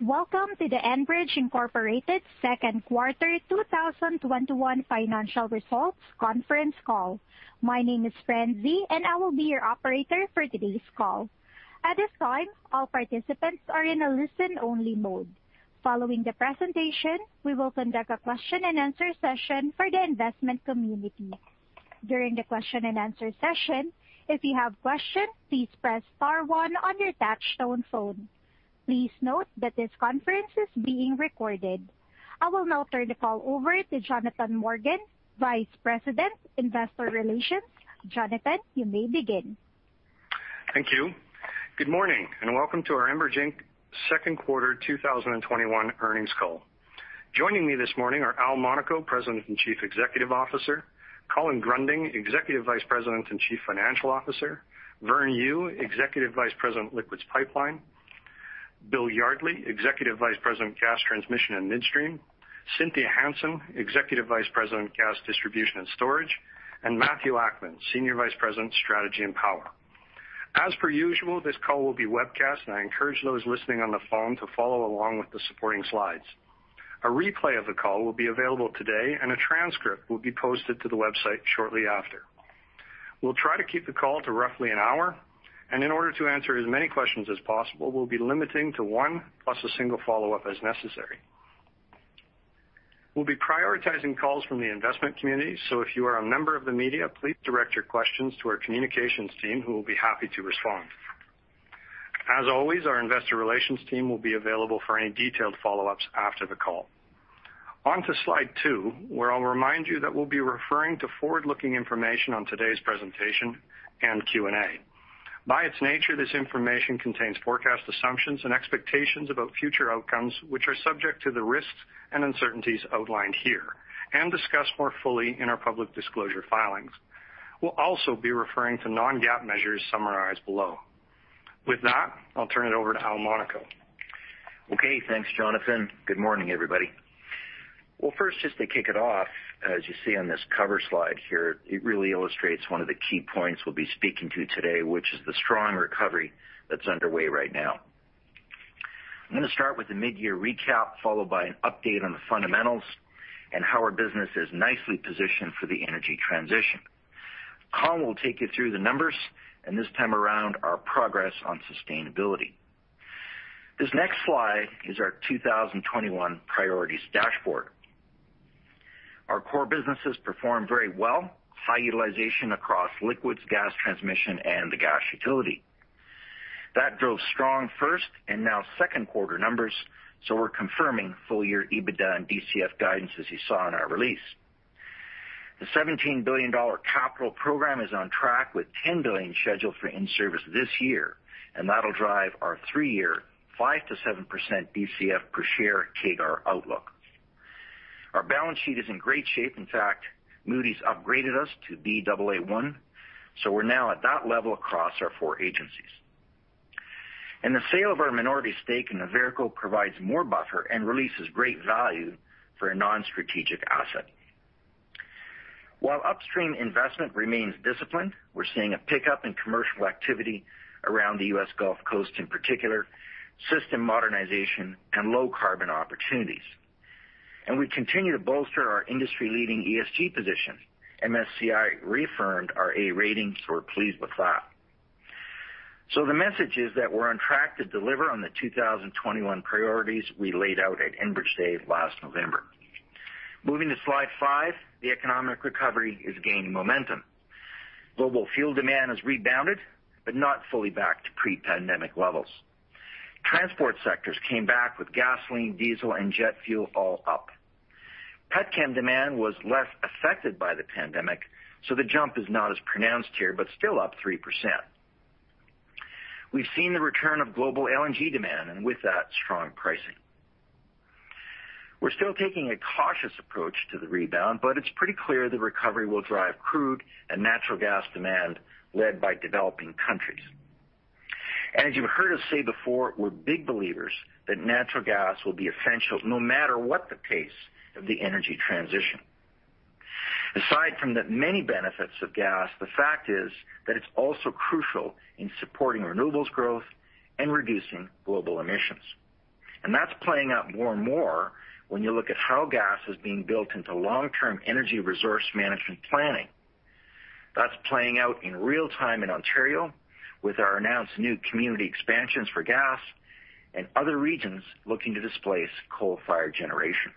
Welcome to the Enbridge Inc. second quarter 2021 financial results conference call. My name is Francine, and I will be your operator for today's call. At this time, all participants are in a listen-only mode. Following the presentation, we will conduct a question and answer session for the investment community. During the question and answer session, if you have questions, please press star one on your touch-tone phone. Please note that this conference is being recorded. I will now turn the call over to Jonathan Morgan, Vice President, Investor Relations. Jonathan, you may begin. Thank you. Good morning, and welcome to our Enbridge Inc. second quarter 2021 earnings call. Joining me this morning are Al Monaco, President and Chief Executive Officer, Colin Gruending, Executive Vice President and Chief Financial Officer, Vern Yu, Executive Vice President, Liquids Pipelines, Bill Yardley, Executive Vice President, Gas Transmission and Midstream, Cynthia Hansen, Executive Vice President, Gas Distribution and Storage, and Matthew Akman, Senior Vice President, Strategy and Power. As per usual, this call will be webcast, and I encourage those listening on the phone to follow along with the supporting slides. A replay of the call will be available today, and a transcript will be posted to the website shortly after. We'll try to keep the call to roughly an hour, and in order to answer as many questions as possible, we'll be limiting to one, plus a single follow-up as necessary. We'll be prioritizing calls from the investment community, so if you are a member of the media, please direct your questions to our communications team, who will be happy to respond. As always, our investor relations team will be available for any detailed follow-ups after the call. On to slide two, where I'll remind you that we'll be referring to forward-looking information on today's presentation and Q&A. By its nature, this information contains forecast assumptions and expectations about future outcomes, which are subject to the risks and uncertainties outlined here and discussed more fully in our public disclosure filings. We'll also be referring to non-GAAP measures summarized below. With that, I'll turn it over to Al Monaco. Okay, thanks, Jonathan. Good morning, everybody. Well, first, just to kick it off, as you see on this cover slide here, it really illustrates one of the key points we'll be speaking to today, which is the strong recovery that's underway right now. I'm going to start with a mid-year recap, followed by an update on the fundamentals and how our business is nicely positioned for the energy transition. Colin will take you through the numbers, and this time around, our progress on sustainability. This next slide is our 2021 priorities dashboard. Our core businesses performed very well. High utilization across liquids, gas transmission, and the gas utility. That drove strong first and now second-quarter numbers, so we're confirming full-year EBITDA and DCF guidance as you saw in our release. The 17 billion dollar capital program is on track with 10 billion scheduled for in-service this year, that'll drive our three-year, 5%-7% DCF per share CAGR outlook. Our balance sheet is in great shape. In fact, Moody's upgraded us to Baa1, so we're now at that level across our four agencies. The sale of our minority stake in Noverco provides more buffer and releases great value for a non-strategic asset. While upstream investment remains disciplined, we're seeing a pickup in commercial activity around the U.S. Gulf Coast, in particular, system modernization, and low-carbon opportunities. We continue to bolster our industry-leading ESG position. MSCI reaffirmed our A rating, so we're pleased with that. The message is that we're on track to deliver on the 2021 priorities we laid out at Enbridge Day last November. Moving to slide five, the economic recovery is gaining momentum. Global fuel demand has rebounded, but not fully back to pre-pandemic levels. Transport sectors came back with gasoline, diesel, and jet fuel all up. petchem demand was less affected by the pandemic, so the jump is not as pronounced here, but still up 3%. We've seen the return of global LNG demand, and with that, strong pricing. We're still taking a cautious approach to the rebound, but it's pretty clear the recovery will drive crude and natural gas demand led by developing countries. As you've heard us say before, we're big believers that natural gas will be essential no matter what the pace of the energy transition. Aside from the many benefits of gas, the fact is that it's also crucial in supporting renewables growth and reducing global emissions. That's playing out more and more when you look at how gas is being built into long-term energy resource management planning. That's playing out in real-time in Ontario with our announced new community expansions for gas and other regions looking to displace coal-fired generation.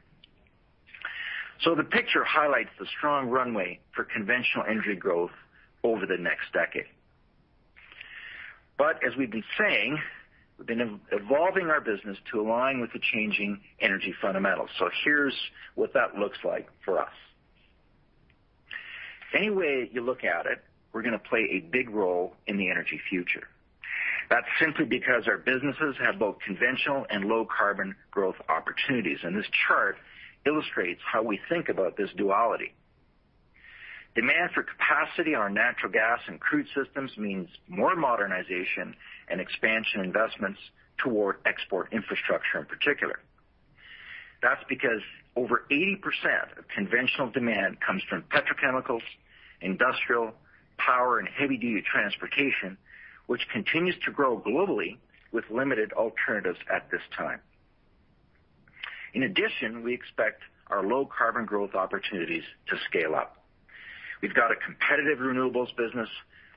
The picture highlights the strong runway for conventional energy growth over the next decade. As we've been saying, we've been evolving our business to align with the changing energy fundamentals. Here's what that looks like for us. Any way you look at it, we're going to play a big role in the energy future. That's simply because our businesses have both conventional and low-carbon growth opportunities, and this chart illustrates how we think about this duality. Demand for capacity on our natural gas and crude systems means more modernization and expansion investments toward export infrastructure in particular. That's because over 80% of conventional demand comes from petrochemicals, industrial, power, and heavy-duty transportation, which continues to grow globally with limited alternatives at this time. In addition, we expect our low-carbon growth opportunities to scale up. We've got a competitive renewables business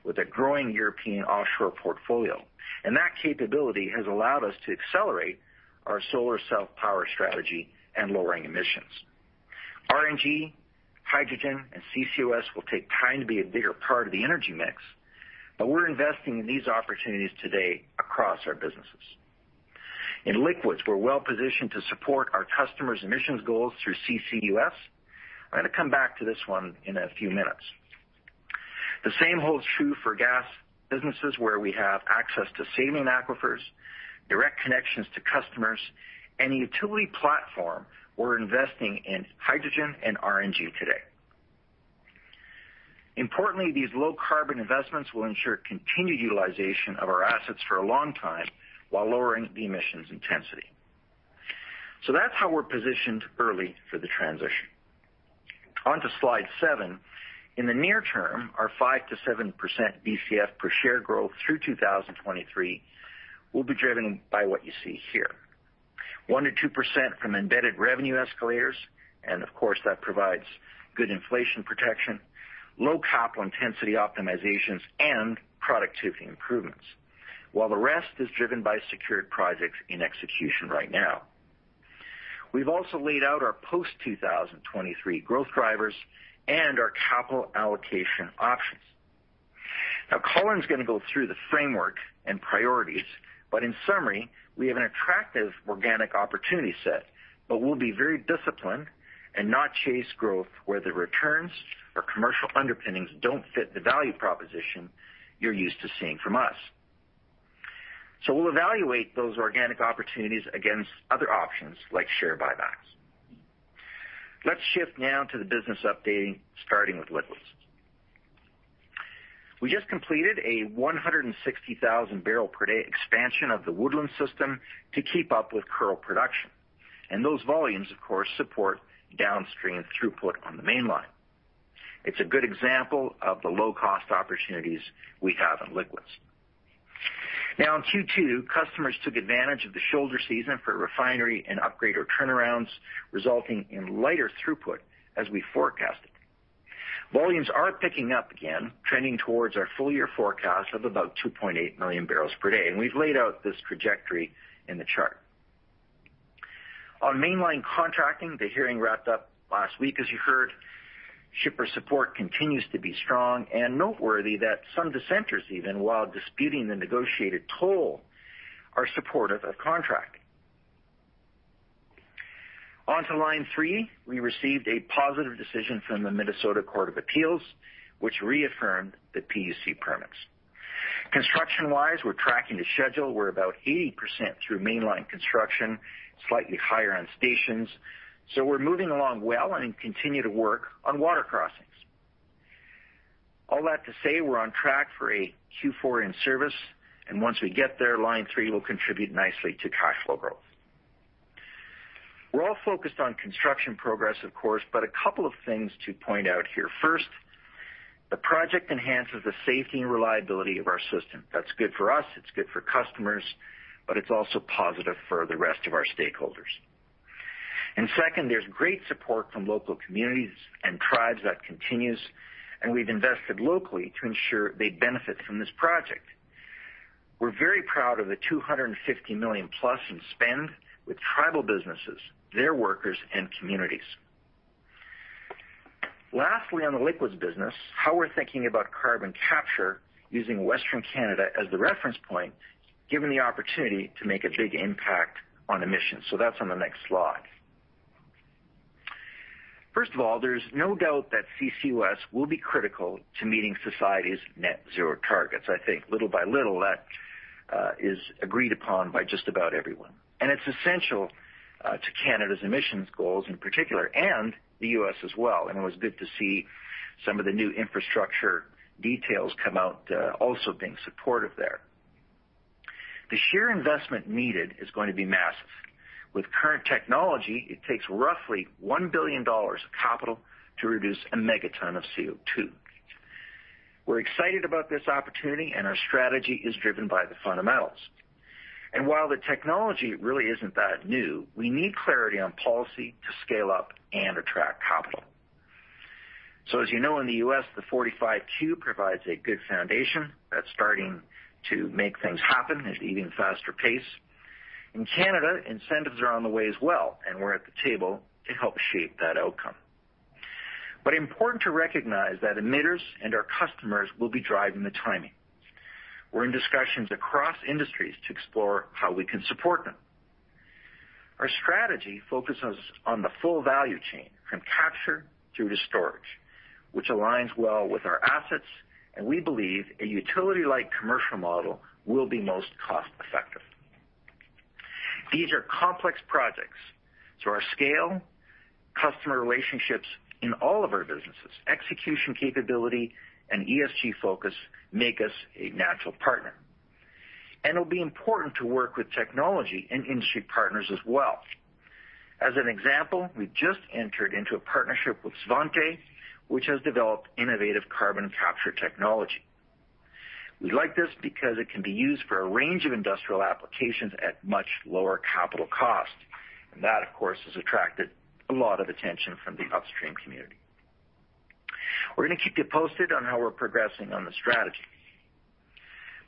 with a growing European offshore portfolio, and that capability has allowed us to accelerate our solar self-power strategy and lowering emissions. RNG, hydrogen, and CCUS will take time to be a bigger part of the energy mix, but we're investing in these opportunities today across our businesses. In liquids, we're well-positioned to support our customers' emissions goals through CCUS. I'm going to come back to this one in a few minutes. The same holds true for gas businesses, where we have access to saline aquifers, direct connections to customers, and a utility platform. We're investing in hydrogen and RNG today. Importantly, these low-carbon investments will ensure continued utilization of our assets for a long time while lowering the emissions intensity. That's how we're positioned early for the transition. On to slide seven. In the near term, our 5%-7% DCF per share growth through 2023 will be driven by what you see here. 1%-2% from embedded revenue escalators, and of course, that provides good inflation protection, low capital intensity optimizations, and productivity improvements. While the rest is driven by secured projects in execution right now. We've also laid out our post-2023 growth drivers and our capital allocation options. Colin's going to go through the framework and priorities. In summary, we have an attractive organic opportunity set. We'll be very disciplined and not chase growth where the returns or commercial underpinnings don't fit the value proposition you're used to seeing from us. We'll evaluate those organic opportunities against other options like share buybacks. Let's shift now to the business updating, starting with liquids. We just completed a 160,000-barrel-per-day expansion of the Woodland system to keep up with Kearl production. Those volumes, of course, support downstream throughput on the Mainline. It's a good example of the low-cost opportunities we have in liquids. In Q2, customers took advantage of the shoulder season for refinery and upgrader turnarounds, resulting in lighter throughput as we forecasted. Volumes are picking up again, trending towards our full-year forecast of about 2.8 million barrels per day. We've laid out this trajectory in the chart. On Mainline contracting, the hearing wrapped up last week, as you heard. Shipper support continues to be strong and noteworthy that some dissenters even, while disputing the negotiated toll, are supportive of contracting. On to Line 3, we received a positive decision from the Minnesota Court of Appeals, which reaffirmed the PUC permits. Construction-wise, we're tracking to schedule. We're about 80% through Mainline construction, slightly higher on stations. We're moving along well and continue to work on water crossings. All that to say, we're on track for a Q4 in service, and once we get there, Line 3 will contribute nicely to cash flow growth. We're all focused on construction progress, of course, but a couple of things to point out here. First, the project enhances the safety and reliability of our system. That's good for us, it's good for customers, but it's also positive for the rest of our stakeholders. Second, there's great support from local communities and tribes that continues, and we've invested locally to ensure they benefit from this project. We're very proud of the 250 million+ in spend with tribal businesses, their workers, and communities. Lastly, on the liquids business, how we're thinking about carbon capture using Western Canada as the reference point, given the opportunity to make a big impact on emissions. That's on the next slide. First of all, there's no doubt that CCUS will be critical to meeting society's net zero targets. I think little by little, that is agreed upon by just about everyone. It's essential to Canada's emissions goals in particular, and the U.S. as well, and it was good to see some of the new infrastructure details come out also being supportive there. The sheer investment needed is going to be massive. With current technology, it takes roughly $1 billion of capital to reduce a megaton of CO2. We're excited about this opportunity and our strategy is driven by the fundamentals. While the technology really isn't that new, we need clarity on policy to scale up and attract capital. As you know, in the U.S., the 45Q provides a good foundation that's starting to make things happen at even faster pace. In Canada, incentives are on the way as well, and we're at the table to help shape that outcome. Important to recognize that emitters and our customers will be driving the timing. We're in discussions across industries to explore how we can support them. Our strategy focuses on the full value chain from capture through to storage, which aligns well with our assets. We believe a utility-like commercial model will be most cost-effective. These are complex projects. Our scale, customer relationships in all of our businesses, execution capability, and ESG focus make us a natural partner. It'll be important to work with technology and industry partners as well. As an example, we've just entered into a partnership with Svante, which has developed innovative carbon capture technology. We like this because it can be used for a range of industrial applications at much lower capital cost. That, of course, has attracted a lot of attention from the upstream community. We're going to keep you posted on how we're progressing on the strategy.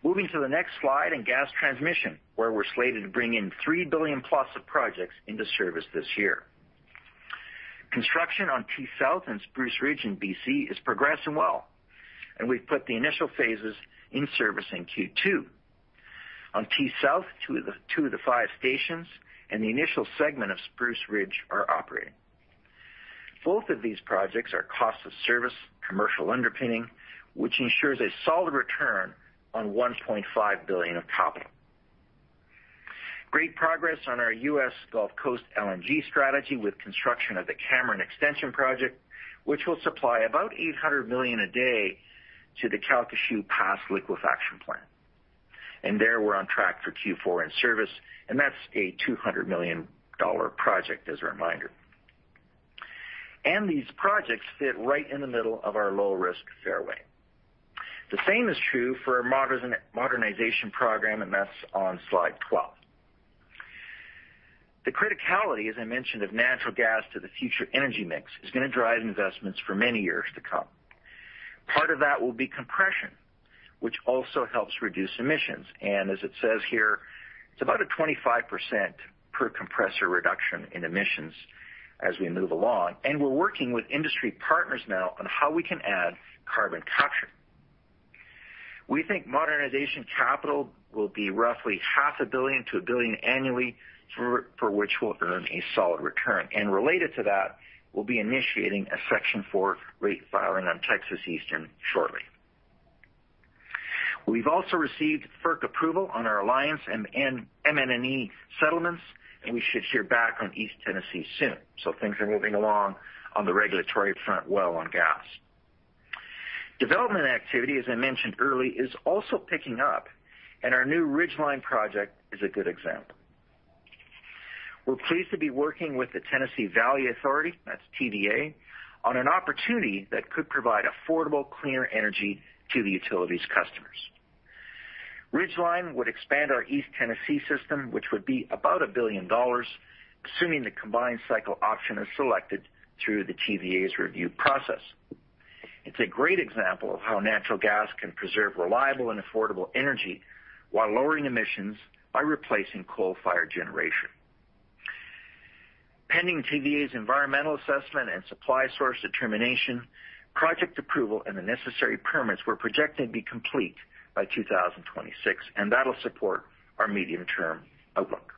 Moving to the next slide in Gas Transmission, where we're slated to bring in 3 billion+ of projects into service this year. Construction on T-South and Spruce Ridge in B.C. is progressing well, and we've put the initial phases in service in Q2. On T-South, two of the five stations and the initial segment of Spruce Ridge are operating. Both of these projects are cost of service commercial underpinning, which ensures a solid return on 1.5 billion of capital. Great progress on our U.S. Gulf Coast LNG strategy with construction of the Cameron Extension Project, which will supply about 800 million a day to the Calcasieu Pass liquefaction plant. There, we're on track for Q4 in service, and that's a 200 million dollar project, as a reminder. These projects fit right in the middle of our low-risk fairway. The same is true for our modernization program, and that's on slide 12. The criticality, as I mentioned, of natural gas to the future energy mix is going to drive investments for many years to come. Part of that will be compression, which also helps reduce emissions. As it says here, it's about a 25% per compressor reduction in emissions as we move along. We're working with industry partners now on how we can add carbon capture. We think modernization capital will be roughly half a billion to a billion annually, for which we'll earn a solid return. Related to that, we'll be initiating a Section 4 rate filing on Texas Eastern shortly. We've also received FERC approval on our Alliance and M&NE settlements, and we should hear back on East Tennessee soon. Things are moving along on the regulatory front well on gas. Development activity, as I mentioned early, is also picking up, and our new Ridgeline project is a good example. We are pleased to be working with the Tennessee Valley Authority, that is TVA, on an opportunity that could provide affordable, cleaner energy to the utility's customers. Ridgeline would expand our East Tennessee system, which would be about $1 billion, assuming the combined cycle option is selected through the TVA's review process. It is a great example of how natural gas can preserve reliable and affordable energy while lowering emissions by replacing coal-fired generation. Pending TVA's environmental assessment and supply source determination, project approval, and the necessary permits were projected to be complete by 2026. That will support our medium-term outlook.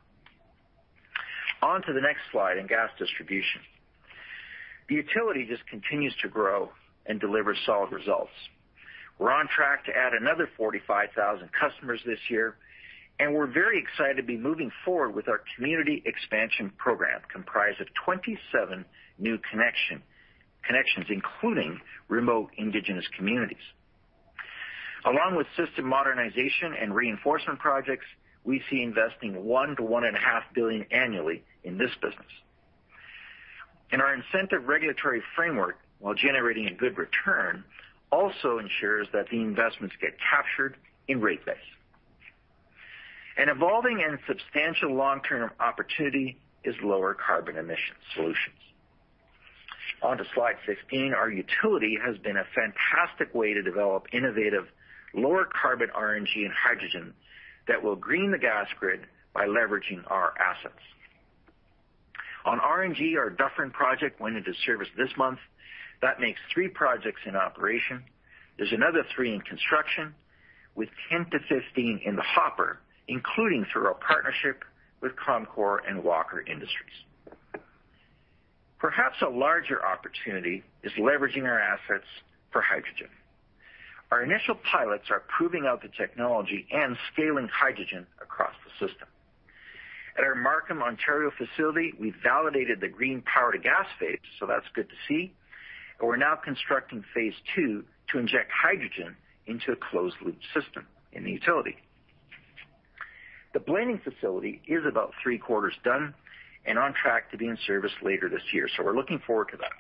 On to the next slide in Gas Distribution. The utility just continues to grow and deliver solid results. We're on track to add another 45,000 customers this year, and we're very excited to be moving forward with our community expansion program, comprised of 27 new connections, including remote indigenous communities. Along with system modernization and reinforcement projects, we see investing 1 billion-1.5 billion annually in this business. Our incentive regulatory framework, while generating a good return, also ensures that the investments get captured in rate base. An evolving and substantial long-term opportunity is lower carbon emission solutions. On to slide 15, our utility has been a fantastic way to develop innovative lower-carbon RNG and hydrogen that will green the gas grid by leveraging our assets. On RNG, our Dufferin project went into service this month. That makes three projects in operation. There's another three in construction, with 10-15 in the hopper, including through our partnership with Comcor and Walker Industries. Perhaps a larger opportunity is leveraging our assets for hydrogen. Our initial pilots are proving out the technology and scaling hydrogen across the system. At our Markham, Ontario facility, we validated the green power-to-gas phase, so that's good to see. We're now constructing phase II to inject hydrogen into a closed-loop system in the utility. The blending facility is about three-quarters done and on track to be in service later this year, so we're looking forward to that.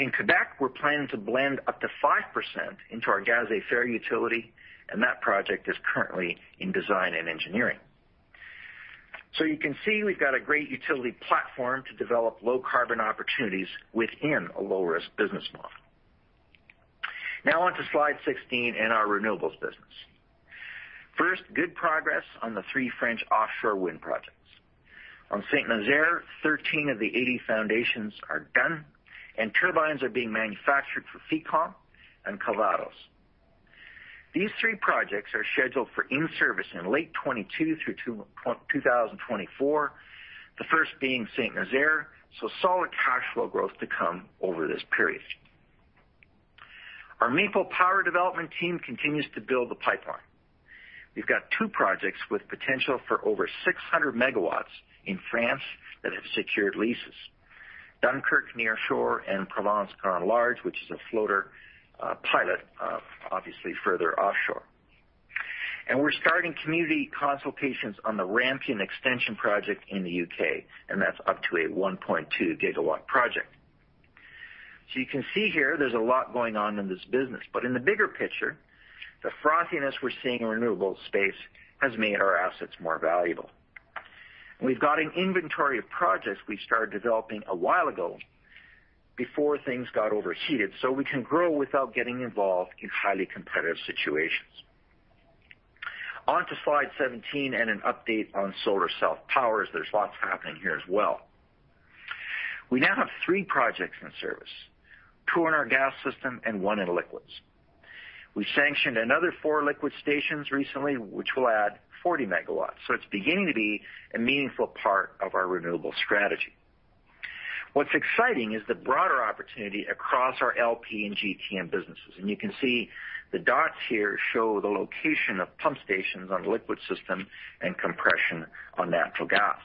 In Quebec, we're planning to blend up to 5% into our Gaz Métro utility, and that project is currently in design and engineering. You can see we've got a great utility platform to develop low-carbon opportunities within a low-risk business model. On to Slide 16 and our renewables business. First, good progress on the three French offshore wind projects. On St. Nazaire, 13 of the 80 foundations are done, and turbines are being manufactured for Fécamp and Calvados. These three projects are scheduled for in-service in late 2022 through 2024, the first being St. Nazaire, solid cash flow growth to come over this period. Our Maple power development team continues to build the pipeline. We've got two projects with potential for over 600 MW in France that have secured leases. Dunkerque Nearshore and Provence Grand Large, which is a floater pilot, obviously further offshore. We're starting community consultations on the Rampion Extension project in the U.K., and that's up to a 1.2 GW project. You can see here there's a lot going on in this business, but in the bigger picture, the frothiness we're seeing in renewables space has made our assets more valuable. We've got an inventory of projects we started developing a while ago before things got overheated, so we can grow without getting involved in highly competitive situations. On to slide 17, an update on solar-cell powers. There's lots happening here as well. We now have three projects in service, two in our gas system and one in liquids. We sanctioned anotherfour liquid stations recently, which will add 40 MW, it's beginning to be a meaningful part of our renewables strategy. What's exciting is the broader opportunity across our LP and GTN businesses. You can see the dots here show the location of pump stations on liquid system and compression on natural gas.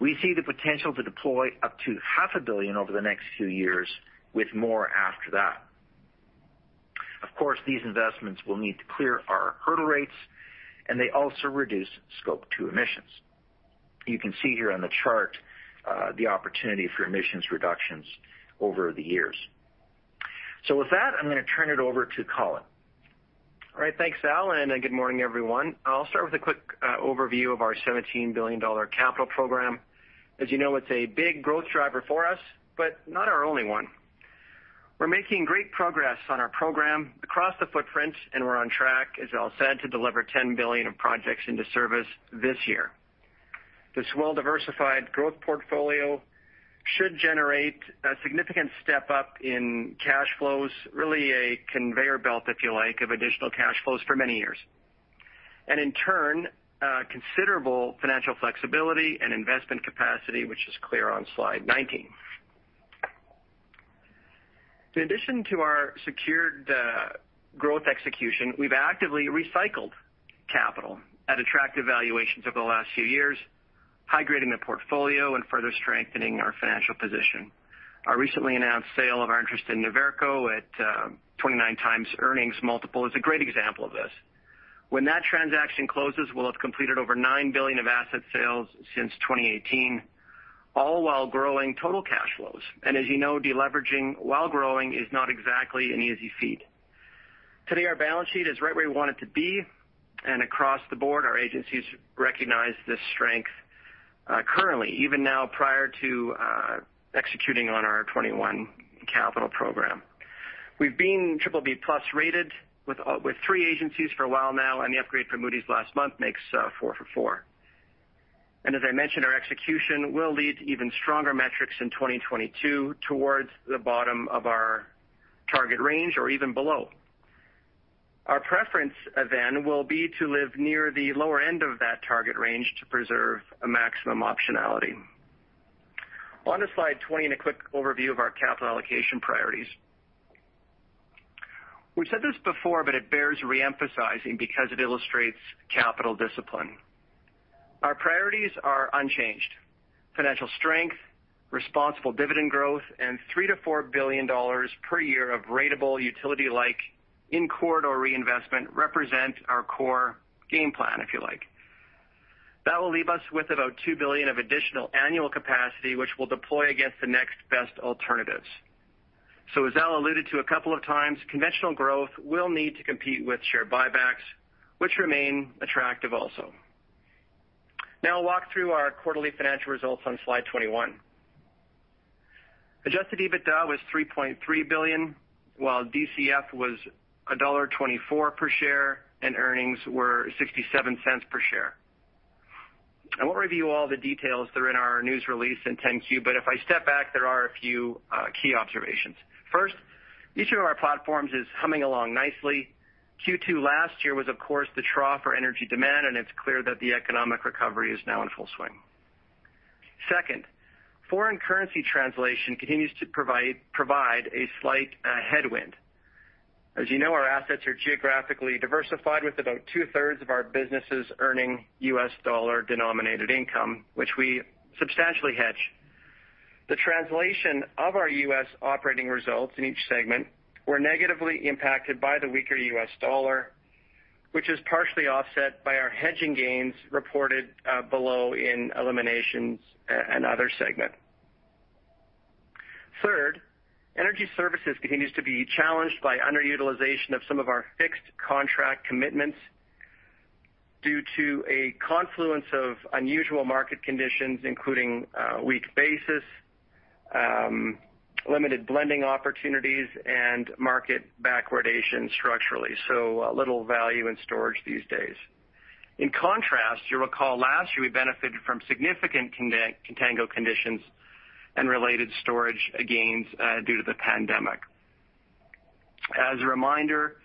We see the potential to deploy up to CAD half a billion over the next few years, with more after that. Of course, these investments will need to clear our hurdle rates, and they also reduce Scope 2 emissions. You can see here on the chart, the opportunity for emissions reductions over the years. With that, I'm going to turn it over to Colin. All right. Thanks, Al, and good morning, everyone. I'll start with a quick overview of our 17 billion dollar capital program. As you know, it's a big growth driver for us, but not our only one. We're making great progress on our program across the footprint, and we're on track, as Al said, to deliver 10 billion of projects into service this year. This well-diversified growth portfolio should generate a significant step-up in cash flows, really a conveyor belt, if you like, of additional cash flows for many years. In turn, considerable financial flexibility and investment capacity, which is clear on slide 19. In addition to our secured growth execution, we've actively recycled capital at attractive valuations over the last few years, high-grading the portfolio and further strengthening our financial position. Our recently announced sale of our interest in Noverco at 29x earnings multiple is a great example of this. When that transaction closes, we'll have completed over 9 billion of asset sales since 2018, all while growing total cash flows. As you know, deleveraging while growing is not exactly an easy feat. Today, our balance sheet is right where we want it to be, across the board, our agencies recognize the strength, currently, even now, prior to executing on our 2021 capital program. We've been BBB+-rated with three agencies for a while now, the upgrade from Moody's last month makes four for four. As I mentioned, our execution will lead to even stronger metrics in 2022 towards the bottom of our target range or even below. Our preference, then, will be to live near the lower end of that target range to preserve a maximum optionality. On to slide 20 and a quick overview of our capital allocation priorities. We've said this before, but it bears re-emphasizing because it illustrates capital discipline. Our priorities are unchanged. Financial strength, responsible dividend growth, and 3 billion-4 billion dollars per year of ratable utility-like in corridor reinvestment represent our core game plan, if you like. That will leave us with about 2 billion of additional annual capacity, which we'll deploy against the next best alternatives. As Al alluded to a couple of times, conventional growth will need to compete with share buybacks, which remain attractive also. I'll walk through our quarterly financial results on slide 21. Adjusted EBITDA was 3.3 billion, while DCF was dollar 1.24 per share, and earnings were 0.67 per share. I won't review all the details that are in our news release and 10-Q. If I step back, there are a few key observations. First, each of our platforms is humming along nicely. Q2 last year was, of course, the trough for energy demand. It's clear that the economic recovery is now in full swing. Second, foreign currency translation continues to provide a slight headwind. As you know, our assets are geographically diversified with about two-thirds of our businesses earning U.S. dollar-denominated income, which we substantially hedge. The translation of our U.S. operating results in each segment were negatively impacted by the weaker U.S. dollar, which is partially offset by our hedging gains reported below in eliminations and other segment. Third, energy services continues to be challenged by underutilization of some of our fixed contract commitments due to a confluence of unusual market conditions, including weak basis, limited blending opportunities, and market backwardation structurally. A little value in storage these days. In contrast, you'll recall last year we benefited from significant contango conditions and related storage gains due to the pandemic. As a reminder,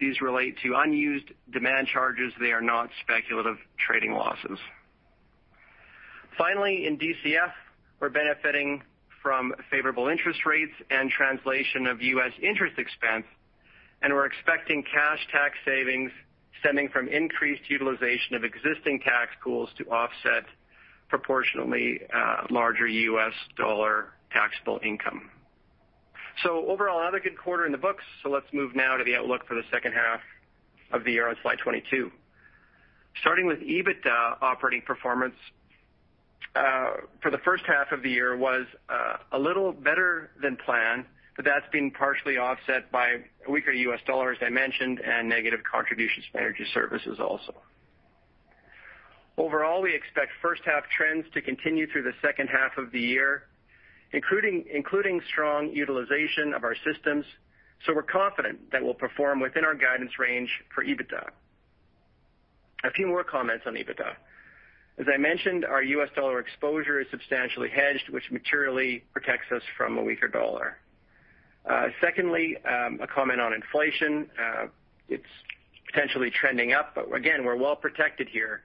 these relate to unused demand charges. They are not speculative trading losses. Finally, in DCF, we're benefiting from favorable interest rates and translation of U.S. interest expense. We're expecting cash tax savings stemming from increased utilization of existing tax pools to offset proportionally larger U.S. dollar taxable income. Overall, another good quarter in the books. Let's move now to the outlook for the second half of the year on slide 22. Starting with EBITDA operating performance. For the first half of the year was a little better than planned, but that's been partially offset by a weaker U.S. dollar, as I mentioned, and negative contributions from energy services also. Overall, we expect first-half trends to continue through the second half of the year, including strong utilization of our systems. We're confident that we'll perform within our guidance range for EBITDA. A few more comments on EBITDA. As I mentioned, our U.S. dollar exposure is substantially hedged, which materially protects us from a weaker dollar. Secondly, a comment on inflation. It's potentially trending up, but again, we're well-protected here,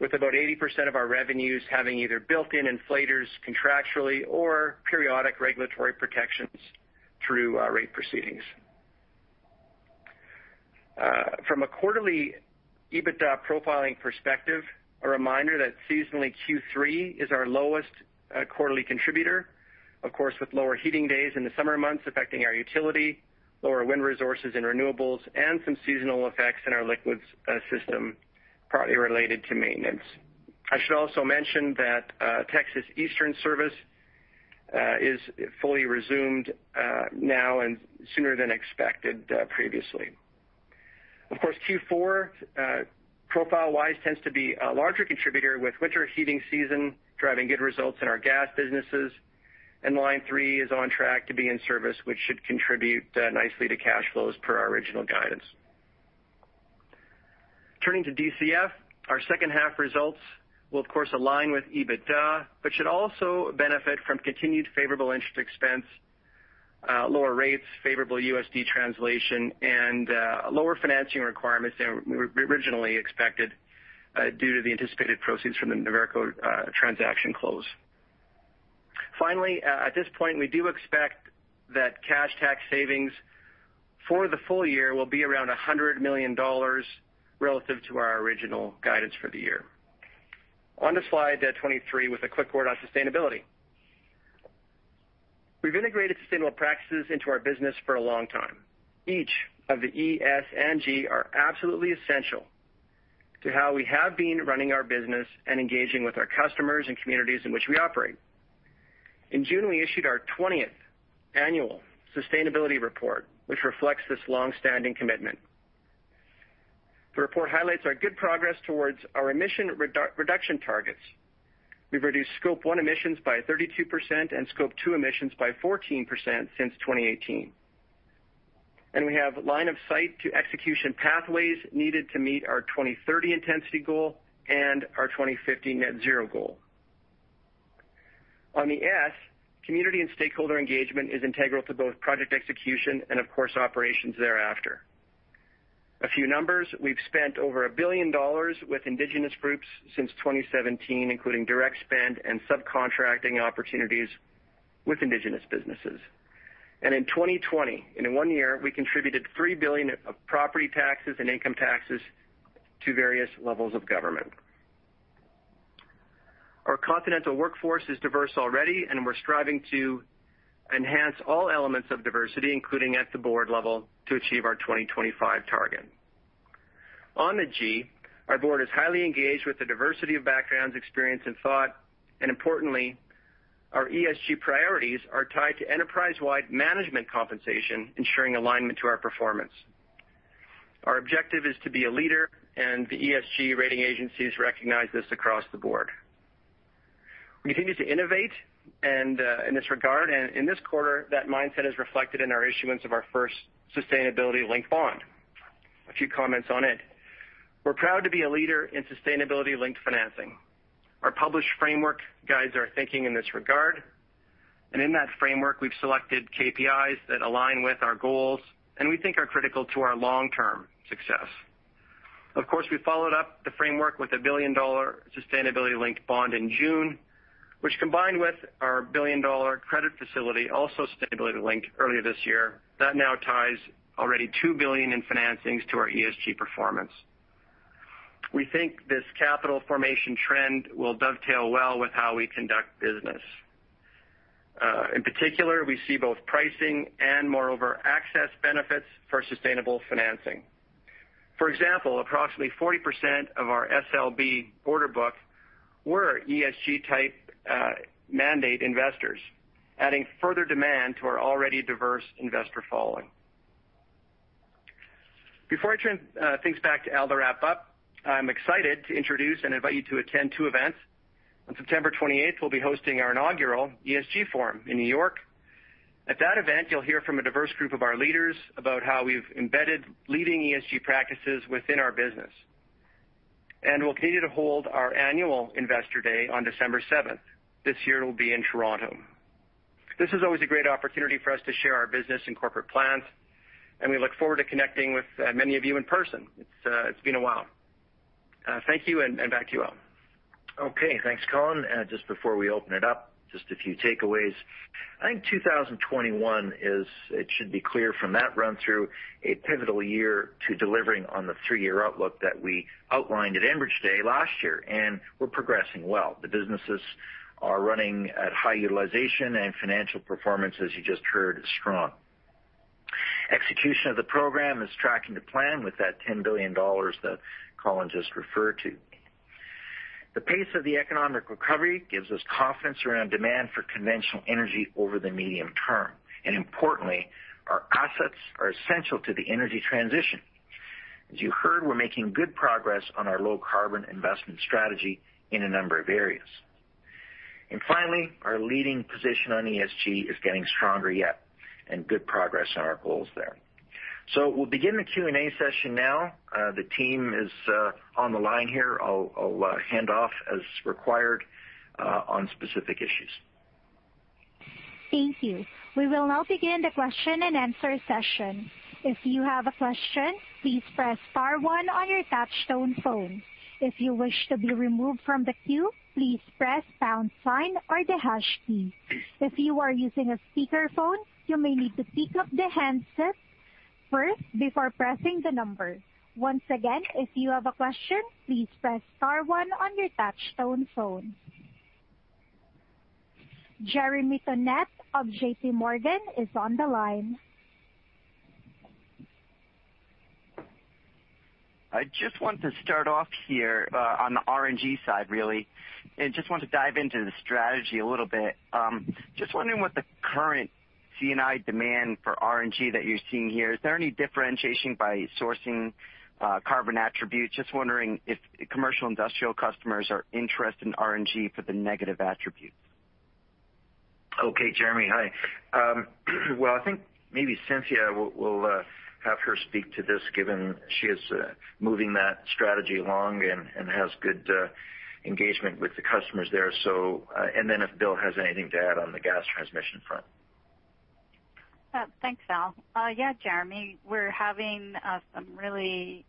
with about 80% of our revenues having either built-in inflators contractually or periodic regulatory protections through our rate proceedings. From a quarterly EBITDA profiling perspective, a reminder that seasonally Q3 is our lowest quarterly contributor, of course, with lower heating days in the summer months affecting our utility, lower wind resources and renewables, and some seasonal effects in our liquids system partly related to maintenance. I should also mention that Texas Eastern service is fully resumed now and sooner than expected previously. Q4, profile-wise, tends to be a larger contributor, with winter heating season driving good results in our gas businesses, and Line 3 is on track to be in service, which should contribute nicely to cash flows per our original guidance. Turning to DCF, our second-half results will of course align with EBITDA, but should also benefit from continued favorable interest expense, lower rates, favorable USD translation, and lower financing requirements than were originally expected due to the anticipated proceeds from the Noverco transaction close. At this point, we do expect that cash tax savings for the full year will be around 100 million dollars relative to our original guidance for the year. On to slide 23 with a quick word on sustainability. We've integrated sustainable practices into our business for a long time. Each of the E, S, and G are absolutely essential to how we have been running our business and engaging with our customers and communities in which we operate. In June, we issued our 20th annual sustainability report, which reflects this long-standing commitment. The report highlights our good progress towards our emission reduction targets. We've reduced Scope 1 emissions by 32% and Scope 2 emissions by 14% since 2018. We have line of sight to execution pathways needed to meet our 2030 intensity goal and our 2050 net zero goal. On the S, community and stakeholder engagement is integral to both project execution and, of course, operations thereafter. A few numbers, we've spent over 1 billion dollars with Indigenous groups since 2017, including direct spend and subcontracting opportunities with Indigenous businesses. In 2020, in one year, we contributed 3 billion of property taxes and income taxes to various levels of government. Our continental workforce is diverse already, we're striving to enhance all elements of diversity, including at the board level, to achieve our 2025 target. On the G, our board is highly engaged with the diversity of backgrounds, experience, and thought, importantly, our ESG priorities are tied to enterprise-wide management compensation, ensuring alignment to our performance. Our objective is to be a leader, the ESG rating agencies recognize this across the board. We continue to innovate and in this regard, and in this quarter, that mindset is reflected in our issuance of our first sustainability-linked bond. A few comments on it. We're proud to be a leader in sustainability-linked financing. Our published framework guides our thinking in this regard. In that framework, we've selected KPIs that align with our goals and we think are critical to our long-term success. Of course, we followed up the framework with a billion-dollar sustainability-linked bond in June, which combined with our billion-dollar credit facility, also sustainability-linked earlier this year, that now ties already 2 billion in financings to our ESG performance. We think this capital formation trend will dovetail well with how we conduct business. In particular, we see both pricing and moreover, access benefits for sustainable financing. For example, approximately 40% of our SLB order book were ESG-type mandate investors, adding further demand to our already diverse investor following. Before I turn things back to Al to wrap up, I'm excited to introduce and invite you to attend two events. On September 28th, we'll be hosting our inaugural ESG Forum in New York. At that event, you'll hear from a diverse group of our leaders about how we've embedded leading ESG practices within our business. We're pleased to hold our annual Investor Day on December 7th. This year, it will be in Toronto. This is always a great opportunity for us to share our business and corporate plans, and we look forward to connecting with many of you in person. It's been a while. Thank you, and back to you, Al. Okay. Thanks, Colin. Just before we open it up, just a few takeaways. I think 2021 is, it should be clear from that run through, a pivotal year to delivering on the three-year outlook that we outlined at Enbridge Day last year, and we're progressing well. The businesses are running at high utilization and financial performance, as you just heard, is strong. Execution of the program is tracking to plan with that 10 billion dollars that Colin just referred to. The pace of the economic recovery gives us confidence around demand for conventional energy over the medium term, and importantly, our assets are essential to the energy transition. As you heard, we're making good progress on our low-carbon investment strategy in a number of areas. Finally, our leading position on ESG is getting stronger yet, and good progress on our goals there. We'll begin the Q&A session now. The team is on the line here. I'll hand off as required on specific issues. Thank you. We will now begin the question and answer session. If you have a question, please press star one on your touchtone phone. If you wish to be removed from the queue, please press pound sign or the hash key. If you are using a speakerphone, you may need to pick up the handset first before pressing the number. Once again, if you have a question, please press star one on your touchtone phone. Jeremy Tonet of JPMorgan is on the line. I just want to start off here, on the RNG side, really, and just want to dive into the strategy a little bit. Just wondering what the current C&I demand for RNG that you're seeing here. Is there any differentiation by sourcing carbon attributes? Just wondering if commercial industrial customers are interested in RNG for the negative attributes. Okay, Jeremy. Hi. Well, I think maybe Cynthia, we'll have her speak to this given she is moving that strategy along and has good engagement with the customers there. If Bill has anything to add on the gas transmission front. Thanks, Al. Yeah, Jeremy. We're having some really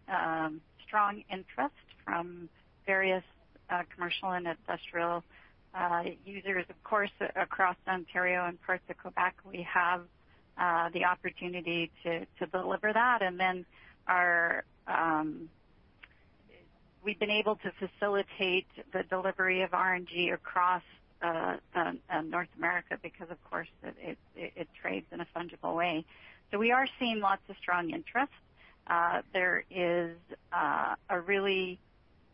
strong interest from various commercial and industrial users. Of course, across Ontario and parts of Quebec, we have the opportunity to deliver that. We've been able to facilitate the delivery of RNG across North America because of course it trades in a fungible way. We are seeing lots of strong interest. There is a really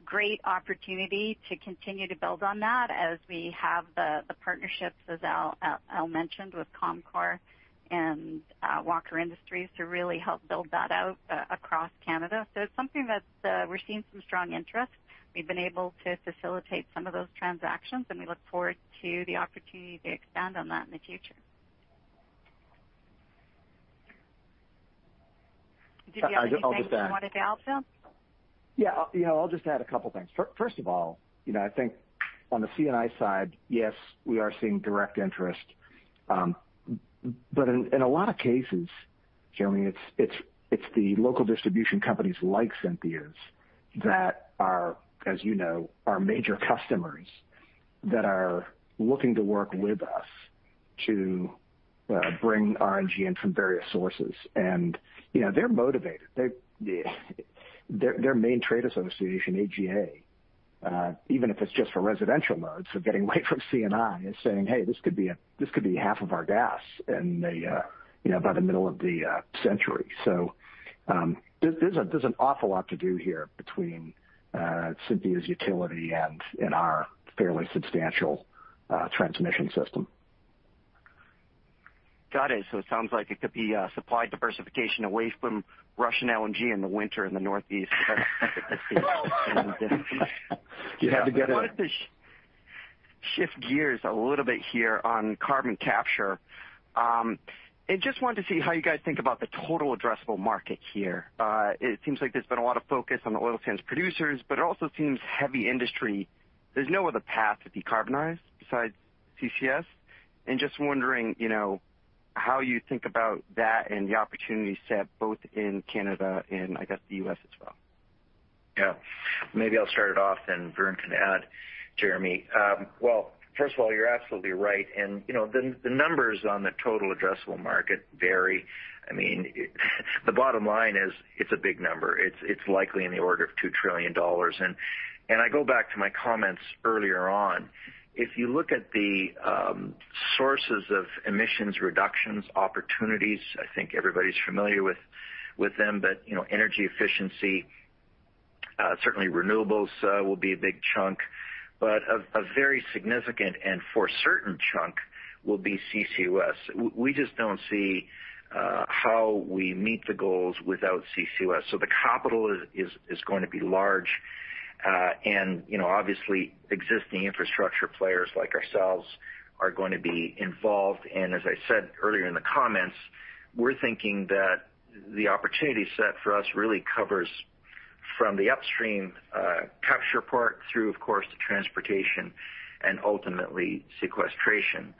great opportunity to continue to build on that as we have the partnerships, as Al mentioned, with Comcor and Walker Industries to really help build that out across Canada. It's something that we're seeing some strong interest. We've been able to facilitate some of those transactions, and we look forward to the opportunity to expand on that in the future. Did you have anything you wanted to add, Bill? Yeah. I'll just add a couple things. First of all, I think on the C&I side, yes, we are seeing direct interest. In a lot of cases, Jeremy, it's the local distribution companies like Cynthia's that are, as you know, our major customers that are looking to work with us to bring RNG in from various sources. They're motivated. Their main trade association, AGA, even if it's just for residential loads, so getting away from C&I is saying, "Hey, this could be half of our gas by the middle of the century." There's an awful lot to do here between Cynthia's utility and our fairly substantial transmission system. Got it. It sounds like it could be supply diversification away from Russian LNG in the winter in the Northeast. You had to get it in. I wanted to shift gears a little bit here on carbon capture. Just wanted to see how you guys think about the total addressable market here. It seems like there's been a lot of focus on oil sands producers, but it also seems heavy industry, there's no other path to decarbonize besides CCS. Just wondering, how you think about that and the opportunity set both in Canada and I guess the U.S. as well. Yeah. Maybe I'll start it off and Vern can add, Jeremy. First of all, you're absolutely right and the numbers on the total addressable market vary. The bottom line is, it's a big number. It's likely in the order of 2 trillion dollars. I go back to my comments earlier on. If you look at the sources of emissions reductions opportunities, I think everybody's familiar with them, but energy efficiency, certainly renewables will be a big chunk, but a very significant and for certain chunk will be CCUS. We just don't see how we meet the goals without CCUS. The capital is going to be large. Obviously, existing infrastructure players like ourselves are going to be involved, and as I said earlier in the comments, we're thinking that the opportunity set for us really covers from the upstream capture part through, of course, the transportation and ultimately sequestration.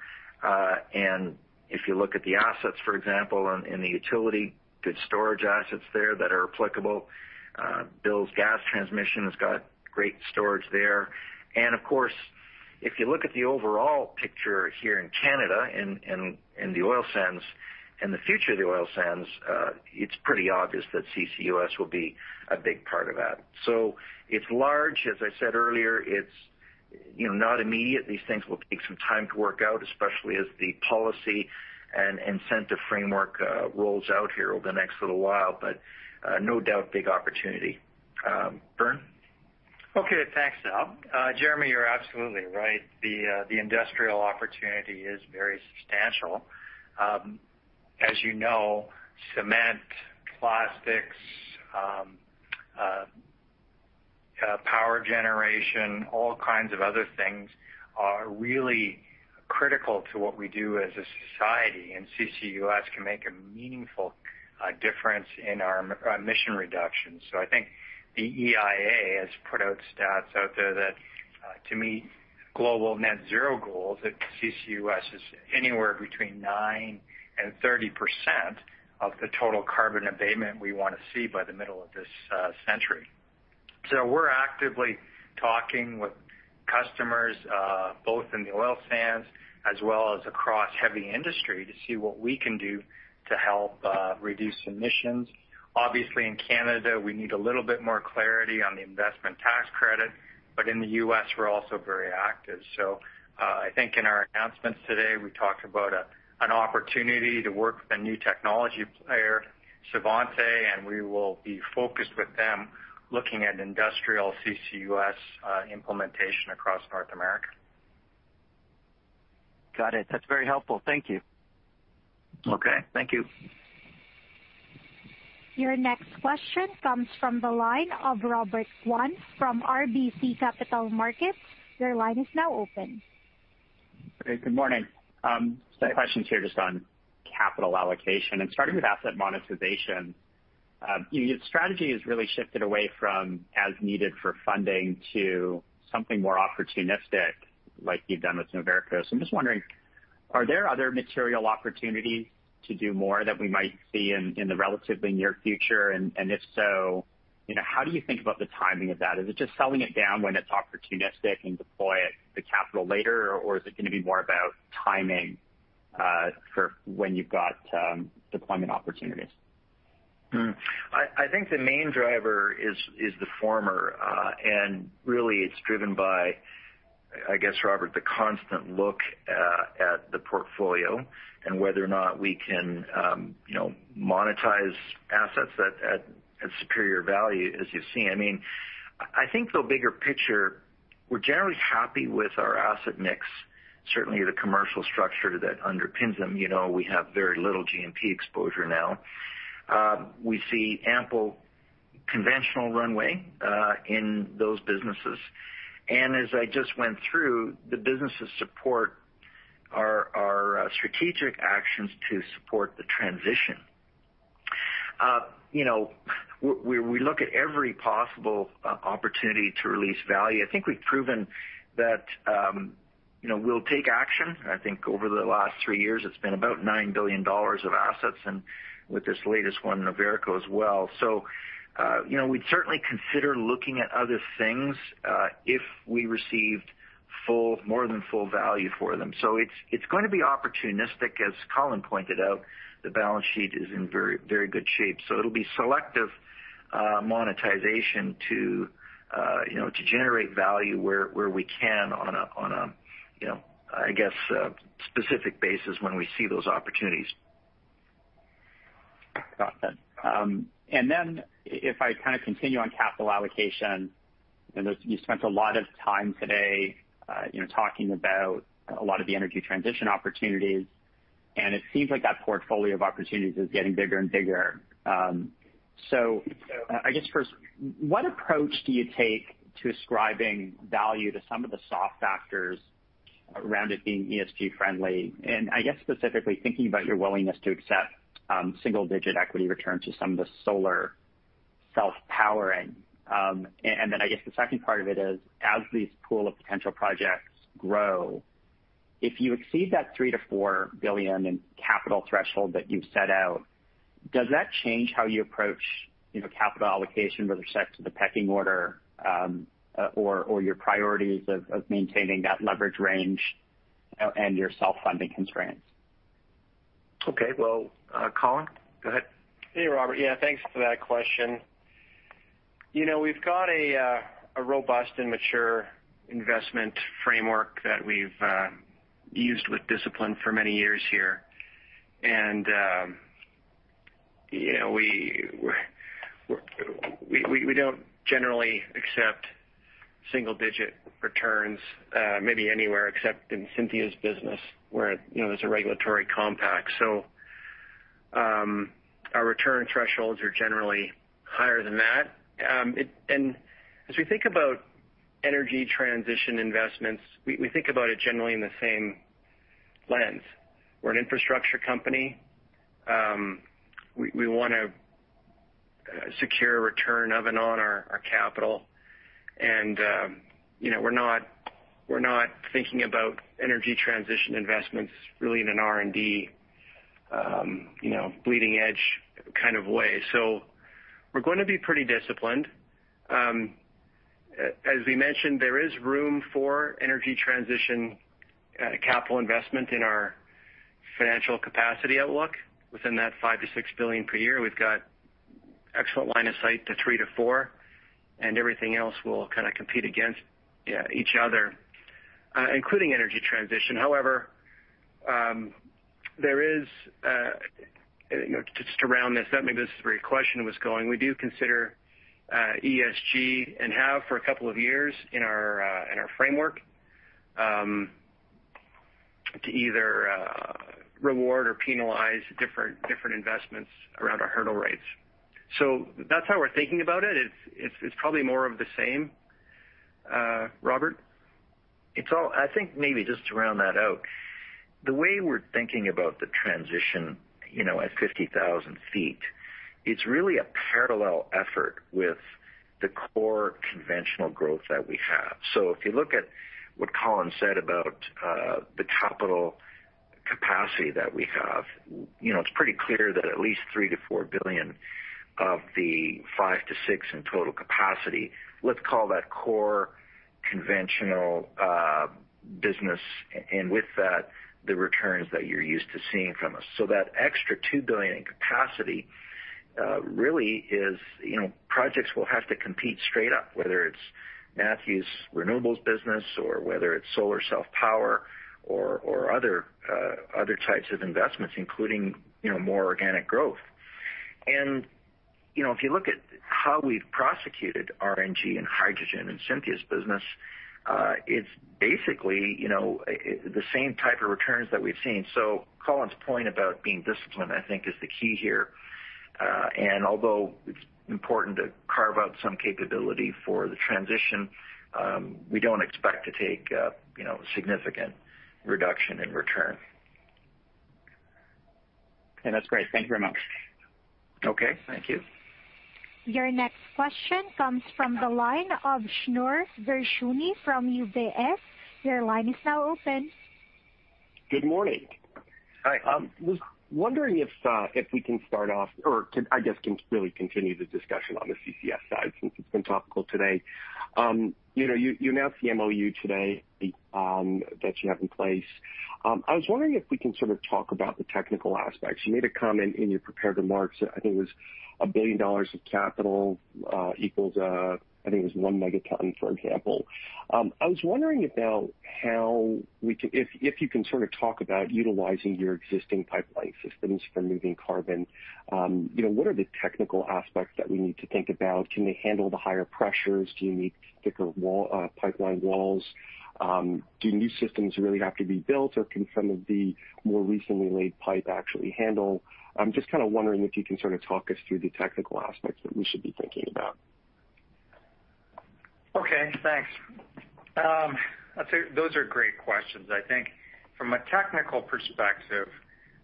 If you look at the assets, for example, in the utility, good storage assets there that are applicable. Bill's Gas Transmission has got great storage there. Of course, if you look at the overall picture here in Canada and in the oil sands and the future of the oil sands, it's pretty obvious that CCUS will be a big part of that. It's large, as I said earlier, it's not immediate. These things will take some time to work out, especially as the policy and incentive framework rolls out here over the next little while. No doubt, big opportunity. Vern? Okay. Thanks, Al. Jeremy, you're absolutely right. The industrial opportunity is very substantial. As you know, cement, plastics, power generation, all kinds of other things are really critical to what we do as a society, and CCUS can make a meaningful difference in our emission reduction. I think the EIA has put out stats out there that to meet global net zero goals, that CCUS is anywhere between 9% and 30% of the total carbon abatement we want to see by the middle of this century. We're actively talking with customers, both in the oil sands as well as across heavy industry to see what we can do to help reduce emissions. Obviously, in Canada, we need a little bit more clarity on the investment tax credit. In the U.S., we're also very active. I think in our announcements today, we talked about an opportunity to work with a new technology player, Svante, and we will be focused with them looking at industrial CCUS implementation across North America. Got it. That's very helpful. Thank you. Okay. Thank you. Your next question comes from the line of Robert Kwan from RBC Capital Markets. Your line is now open. Okay, good morning. Hi. Some questions here just on capital allocation and starting with asset monetization. Your strategy has really shifted away from as needed for funding to something more opportunistic like you've done with Noverco. I'm just wondering, are there other material opportunities to do more that we might see in the relatively near future? If so, how do you think about the timing of that? Is it just selling it down when it's opportunistic and deploy the capital later? Is it going to be more about timing, for when you've got deployment opportunities? I think the main driver is the former. Really it's driven by, I guess, Robert, the constant look at the portfolio and whether or not we can monetize assets at superior value as you've seen. I think the bigger picture, we're generally happy with our asset mix, certainly the commercial structure that underpins them. We have very little GMP exposure now. We see ample conventional runway, in those businesses. As I just went through, the businesses support our strategic actions to support the transition. We look at every possible opportunity to release value. I think we've proven that we'll take action. I think over the last three years, it's been about 9 billion dollars of assets and with this latest one, Noverco as well. We'd certainly consider looking at other things, if we received more than full value for them. It's going to be opportunistic. As Colin pointed out, the balance sheet is in very good shape. It'll be selective monetization to generate value where we can on a, I guess, specific basis when we see those opportunities. Got that. If I kind of continue on capital allocation, I know you spent a lot of time today talking about a lot of the energy transition opportunities, and it seems like that portfolio of opportunities is getting bigger and bigger. I guess first, what approach do you take to ascribing value to some of the soft factors around it being ESG friendly? I guess specifically thinking about your willingness to accept single-digit equity returns to some of the solar self-powering. I guess the second part of it is, as these pool of potential projects grow, if you exceed that 3 billion-4 billion in capital threshold that you've set out, does that change how you approach capital allocation with respect to the pecking order, or your priorities of maintaining that leverage range and your self-funding constraints? Okay. Well, Colin, go ahead. Hey, Robert. Yeah, thanks for that question. We've got a robust and mature investment framework that we've used with discipline for many years here. We don't generally accept single-digit returns, maybe anywhere except in Cynthia's business where there's a regulatory compact. Our return thresholds are generally higher than that and if you think about energy transition investments, you think about generally the same lens. We're an infrastructure company. We want to secure return of and on our capital. We're not thinking about energy transition investments really in an R&D leading-edge kind of way. We're going to be pretty disciplined. As we mentioned, there is room for energy transition capital investment in our financial capacity outlook within that $5 billion-$6 billion per year. We've got excellent line of sight to three to four, and everything else will kind of compete against each other, including energy transition. However, just to round this up, maybe this is where your question was going, we do consider ESG and have for a couple of years in our framework, to either reward or penalize different investments around our hurdle rates. That's how we're thinking about it. It's probably more of the same. Robert? I think maybe just to round that out, the way we're thinking about the transition at 50,000 feet, it's really a parallel effort with the core conventional growth that we have. If you look at what Colin said about the capital capacity that we have, it's pretty clear that at least 3 billion-4 billion of the 5 billion-6 billion in total capacity, let's call that core conventional business, and with that, the returns that you're used to seeing from us. That extra 2 billion in capacity really is projects will have to compete straight up, whether it's Matthew's renewables business or whether it's solar self-power or other types of investments, including more organic growth. If you look at how we've prosecuted RNG and hydrogen and Cynthia's business, it's basically the same type of returns that we've seen. Colin's point about being disciplined, I think is the key here. Although it's important to carve out some capability for the transition, we don't expect to take a significant reduction in return. Okay. That's great. Thank you very much. Okay. Thank you. Your next question comes from the line of Shneur Gershuni from UBS. Your line is now open. Good morning. Hi. I was wondering if we can start off or I guess, can really continue the discussion on the CCS side since it's been topical today? You announced the MOU today that you have in place. I was wondering if we can sort of talk about the technical aspects? You made a comment in your prepared remarks, I think it was 1 billion dollars of capital equals I think it was one megaton, for example. I was wondering about if you can sort of talk about utilizing your existing pipeline systems for moving carbon? What are the technical aspects that we need to think about? Can they handle the higher pressures? Do you need thicker pipeline walls? Do new systems really have to be built or can some of the more recently laid pipe actually handle? I'm just kind of wondering if you can sort of talk us through the technical aspects that we should be thinking about. Okay, thanks. Those are great questions. I think from a technical perspective,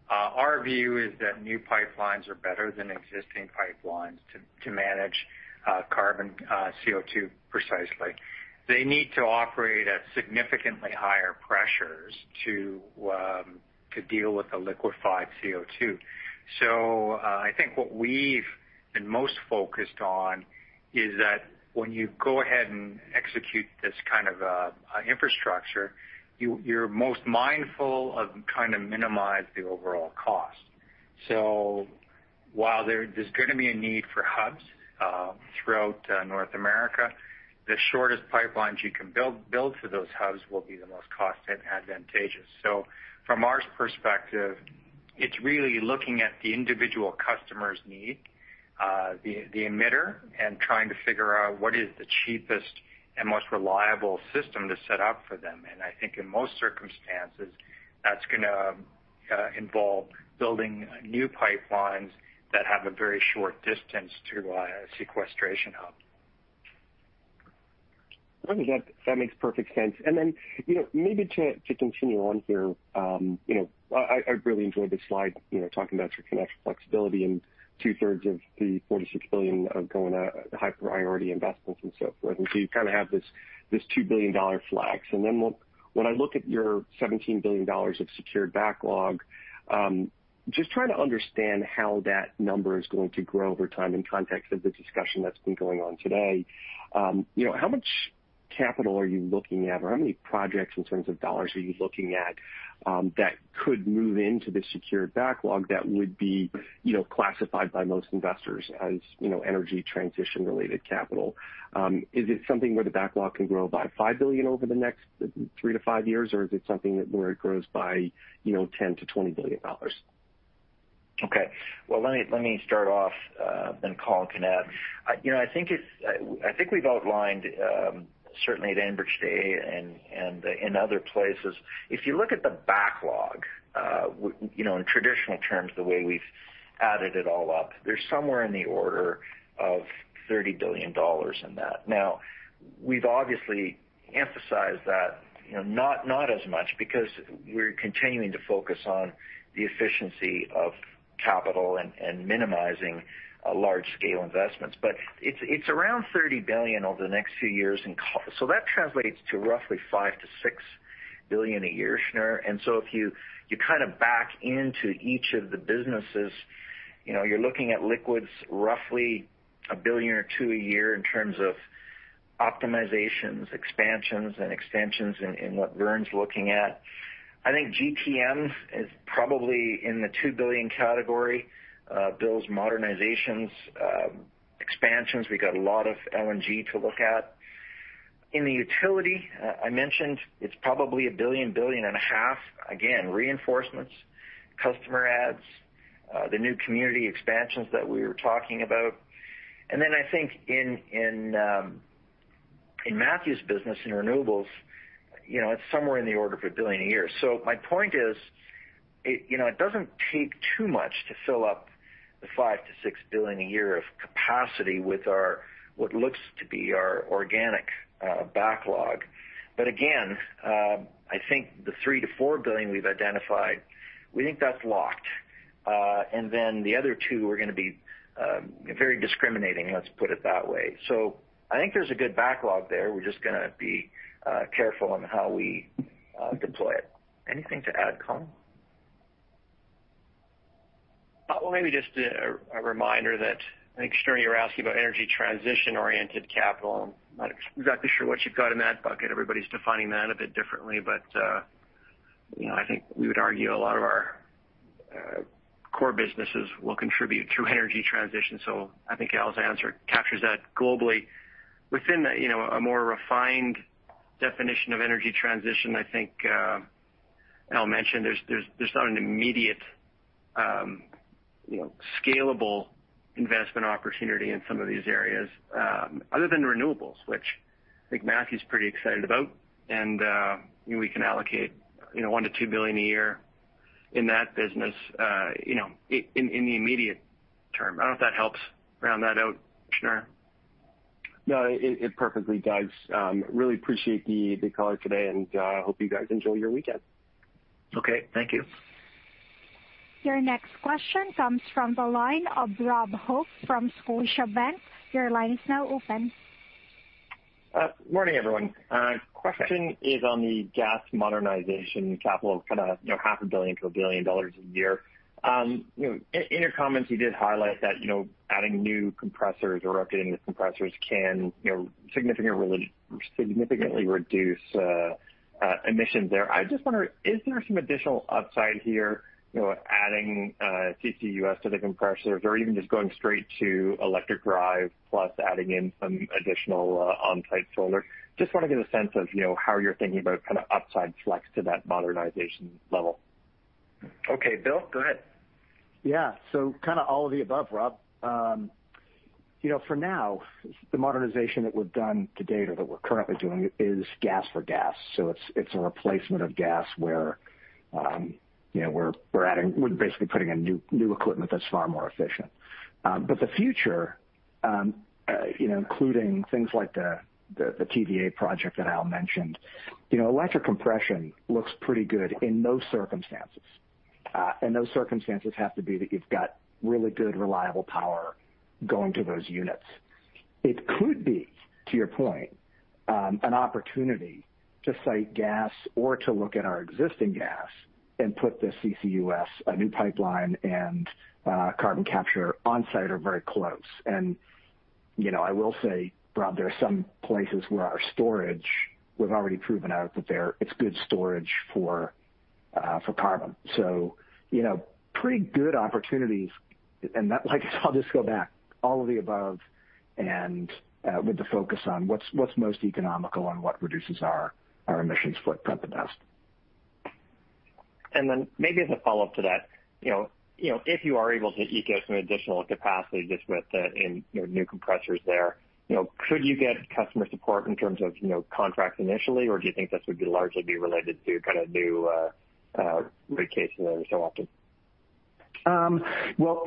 our view is that new pipelines are better than existing pipelines to manage carbon CO2 precisely. They need to operate at significantly higher pressures to deal with the liquefied CO2. I think what we've been most focused on is that when you go ahead and execute this kind of infrastructure, you're most mindful of trying to minimize the overall cost. While there's going to be a need for hubs throughout North America, the shortest pipelines you can build for those hubs will be the most cost advantageous. From our perspective, it's really looking at the individual customer's need, the emitter, and trying to figure out what is the cheapest and most reliable system to set up for them. I think in most circumstances, that's going to involve building new pipelines that have a very short distance to a sequestration hub. That makes perfect sense. Maybe to continue on here, I really enjoyed the slide talking about your connection flexibility and two-thirds of the 46 billion of going high-priority investments and so forth. You kind of have this 2 billion dollar flex. When I look at your 17 billion dollars of secured backlog, just trying to understand how that number is going to grow over time in context of the discussion that's been going on today. How much capital are you looking at or how many projects in terms of dollars are you looking at that could move into the secured backlog that would be classified by most investors as energy transition-related capital? Is it something where the backlog can grow by 5 billion over the next three to five years or is it something where it grows by 10 billion-20 billion dollars? Okay. Well, let me start off. Colin can add. I think we've outlined, certainly at Enbridge Day and in other places, if you look at the backlog. In traditional terms, the way we've added it all up, they're somewhere in the order of 30 billion dollars in that. We've obviously emphasized that not as much because we're continuing to focus on the efficiency of capital and minimizing large-scale investments. It's around 30 billion over the next few years. That translates to roughly 5 billion-6 billion a year, Shneur. If you back into each of the businesses, you're looking at Liquids Pipelines roughly 1 billion or two a year in terms of optimizations, expansions, and extensions in what Vern Yu's looking at. I think GTM is probably in the 2 billion category. Bill Yardley's modernizations, expansions, we've got a lot of LNG to look at. In the utility, I mentioned it's probably 1 billion, 1.5 billion. Again, reinforcements, customer adds, the new community expansions that we were talking about. I think in Matthew's business, in renewables, it's somewhere in the order of 1 billion a year. My point is, it doesn't take too much to fill up the 5 billion-6 billion a year of capacity with what looks to be our organic backlog. Again, I think the 3 billion-4 billion we've identified, we think that's locked. The other two are going to be very discriminating, let's put it that way. I think there's a good backlog there. We're just going to be careful on how we deploy it. Anything to add, Colin? Maybe just a reminder that I think, Shneur, you were asking about energy transition-oriented capital. I'm not exactly sure what you've got in that bucket. Everybody's defining that a bit differently. I think we would argue a lot of our core businesses will contribute to energy transition. I think Al's answer captures that globally. Within a more refined definition of energy transition, I think Al mentioned there's not an immediate scalable investment opportunity in some of these areas other than renewables, which I think Matthew's pretty excited about. We can allocate 1 billion-2 billion a year in that business, in the immediate term. I don't know if that helps round that out, Shneur. No, it perfectly does. Really appreciate the call today. Hope you guys enjoy your weekend. Okay. Thank you. Your next question comes from the line of Rob Hope from Scotiabank. Your line is now open. Morning, everyone. Question is on the gas modernization capital of half a billion to 1 billion dollars a year. In your comments, you did highlight that adding new compressors or updating the compressors can significantly reduce emissions there. I just wonder, is there some additional upside here, adding CCUS to the compressors or even just going straight to electric drive plus adding in some additional on-site solar? Just want to get a sense of how you're thinking about upside flex to that modernization level. Okay, Bill, go ahead. Yeah. All of the above, Rob. For now, the modernization that we've done to date or that we're currently doing is gas for gas. It's a replacement of gas where we're basically putting in new equipment that's far more efficient. The future, including things like the TVA Project that Al mentioned, electric compression looks pretty good in those circumstances. Those circumstances have to be that you've got really good, reliable power going to those units. It could be, to your point, an opportunity to site gas or to look at our existing gas and put the CCUS, a new pipeline, and carbon capture on-site or very close. I will say, Rob, there are some places where our storage, we've already proven out that it's good storage for carbon. Pretty good opportunities. I guess I'll just go back, all of the above and with the focus on what's most economical and what reduces our emissions footprint the best. Maybe as a follow-up to that, if you are able to eke out some additional capacity just with the new compressors there, could you get customer support in terms of contracts initially? Or do you think this would largely be related to new rate cases every so often?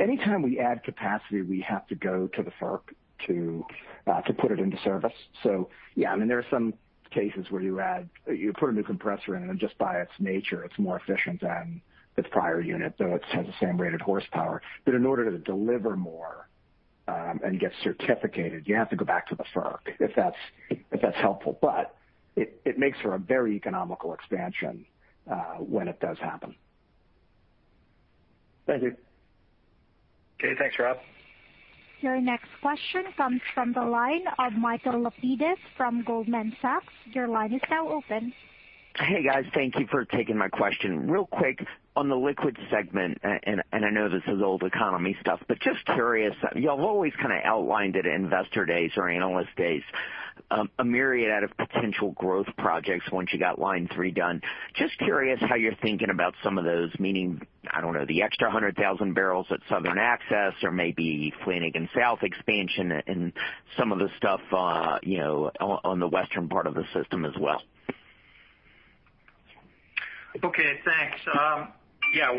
Anytime we add capacity, we have to go to the FERC to put it into service. Yeah, there are some cases where you put a new compressor in, and just by its nature, it's more efficient than its prior unit, though it has the same rated horsepower. In order to deliver more and get certificated, you have to go back to the FERC, if that's helpful. It makes for a very economical expansion when it does happen. Thank you. Okay. Thanks, Rob. Your next question comes from the line of Michael Lapides from Goldman Sachs. Your line is now open. Hey, guys. Thank you for taking my question. Real quick, on the liquids segment, and I know this is old economy stuff, but just curious. You've always outlined at investor days or analyst days a myriad of potential growth projects once you got Line 3 done. Just curious how you're thinking about some of those, meaning, I don't know, the extra 100,000 barrels at Southern Access or maybe Flanagan South expansion and some of the stuff on the western part of the system as well. Okay, thanks. Yeah,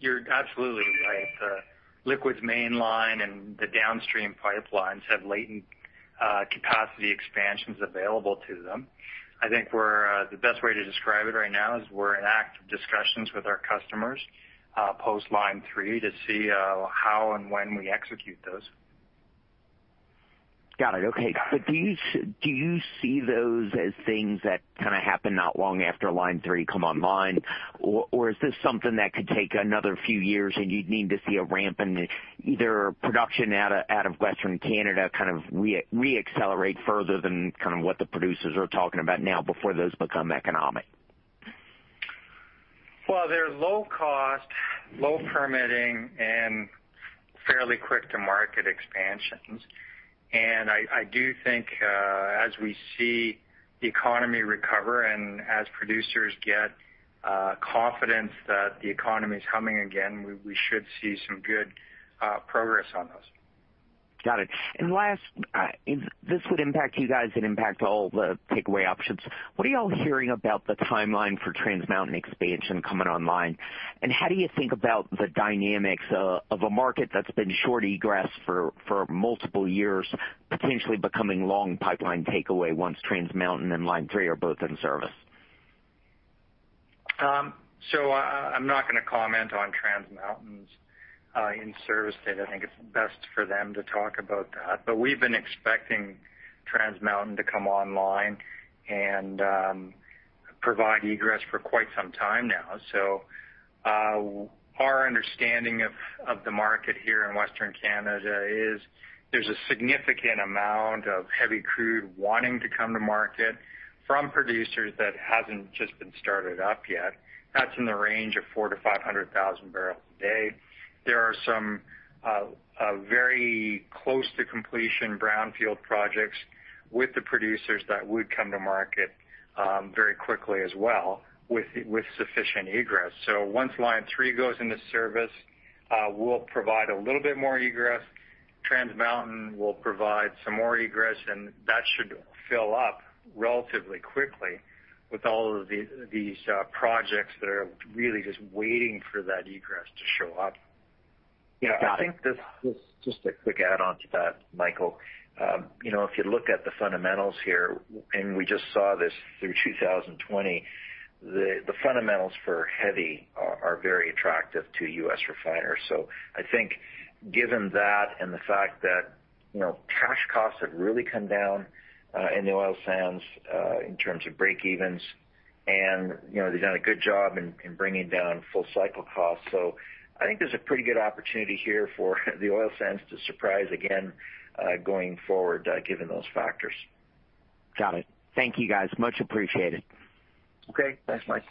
you're absolutely right. Liquids Mainline and the downstream pipelines have latent capacity expansions available to them. I think the best way to describe it right now is we're in active discussions with our customers post Line 3 to see how and when we execute those. Got it. Okay. Do you see those as things that kind of happen not long after Line 3 come online? Is this something that could take another few years and you'd need to see a ramp in either production out of Western Canada kind of re-accelerate further than kind of what the producers are talking about now before those become economic? Well, they're low cost, low permitting, and fairly quick to market expansions. I do think, as we see the economy recover and as producers get confidence that the economy is humming again, we should see some good progress on those. Got it. Last, this would impact you guys and impact all the takeaway options. What are you all hearing about the timeline for Trans Mountain expansion coming online? How do you think about the dynamics of a market that's been short egress for multiple years, potentially becoming long pipeline takeaway once Trans Mountain and Line 3 are both in service? I'm not going to comment on Trans Mountain's in-service date. I think it's best for them to talk about that. We've been expecting Trans Mountain to come online and provide egress for quite some time now. Our understanding of the market here in Western Canada is there's a significant amount of heavy crude wanting to come to market from producers that hasn't just been started up yet. That's in the range of 400,000-500,000 barrels a day. There are some very close-to-completion brownfield projects with the producers that would come to market very quickly as well with sufficient egress. Once Line 3 goes into service, we'll provide a little bit more egress. Trans Mountain will provide some more egress, and that should fill up relatively quickly with all of these projects that are really just waiting for that egress to show up. Yeah, got it. I think this, just a quick add-on to that, Michael. If you look at the fundamentals here, and we just saw this through 2020, the fundamentals for heavy are very attractive to U.S. refiners. I think given that and the fact that cash costs have really come down in the oil sands in terms of break-evens, and they've done a good job in bringing down full cycle costs. I think there's a pretty good opportunity here for the oil sands to surprise again going forward, given those factors. Got it. Thank you, guys. Much appreciated. Okay. Thanks, Mike.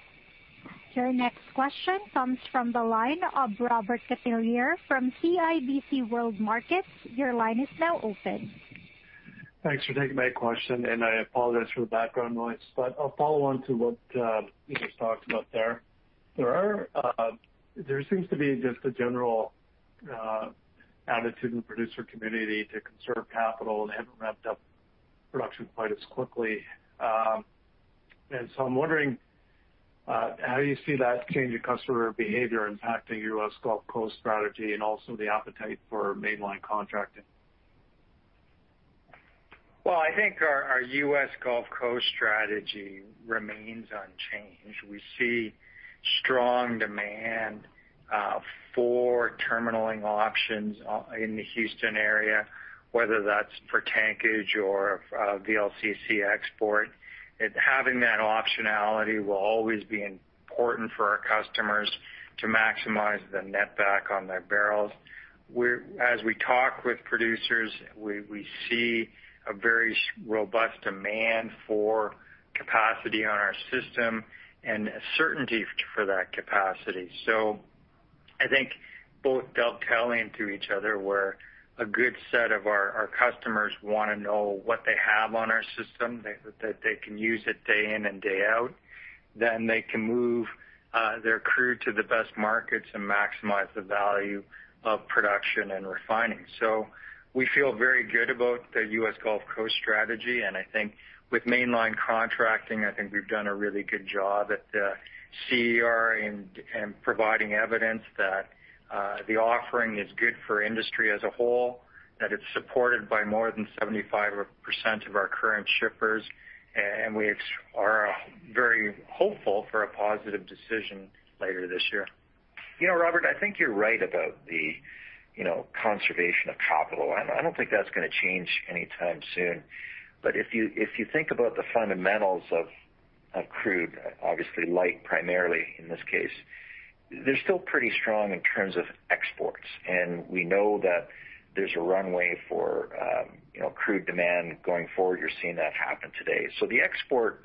Your next question comes from the line of Robert Catellier from CIBC World Markets. Your line is now open. Thanks for taking my question. I apologize for the background noise. I'll follow on to what you just talked about there. There seems to be just a general attitude in the producer community to conserve capital and haven't ramped up production quite as quickly. I'm wondering how you see that change in customer behavior impacting U.S. Gulf Coast strategy and also the appetite for Mainline contracting. I think our U.S. Gulf Coast strategy remains unchanged. We see strong demand for terminalling options in the Houston area, whether that's for tankage or VLCC export. Having that optionality will always be important for our customers to maximize the net back on their barrels. As we talk with producers, we see a very robust demand for capacity on our system and a certainty for that capacity. I think both dovetailing to each other where a good set of our customers want to know what they have on our system, that they can use it day in and day out. They can move their crew to the best markets and maximize the value of production and refining. We feel very good about the U.S. Gulf Coast strategy, and I think with Mainline contracting, I think we've done a really good job at CER and providing evidence that the offering is good for industry as a whole, that it's supported by more than 75% of our current shippers. We are very hopeful for a positive decision later this year. Robert, I think you're right about the conservation of capital. I don't think that's going to change anytime soon. If you think about the fundamentals of crude, obviously light primarily in this case, they're still pretty strong in terms of exports. We know that there's a runway for crude demand going forward. You're seeing that happen today. The export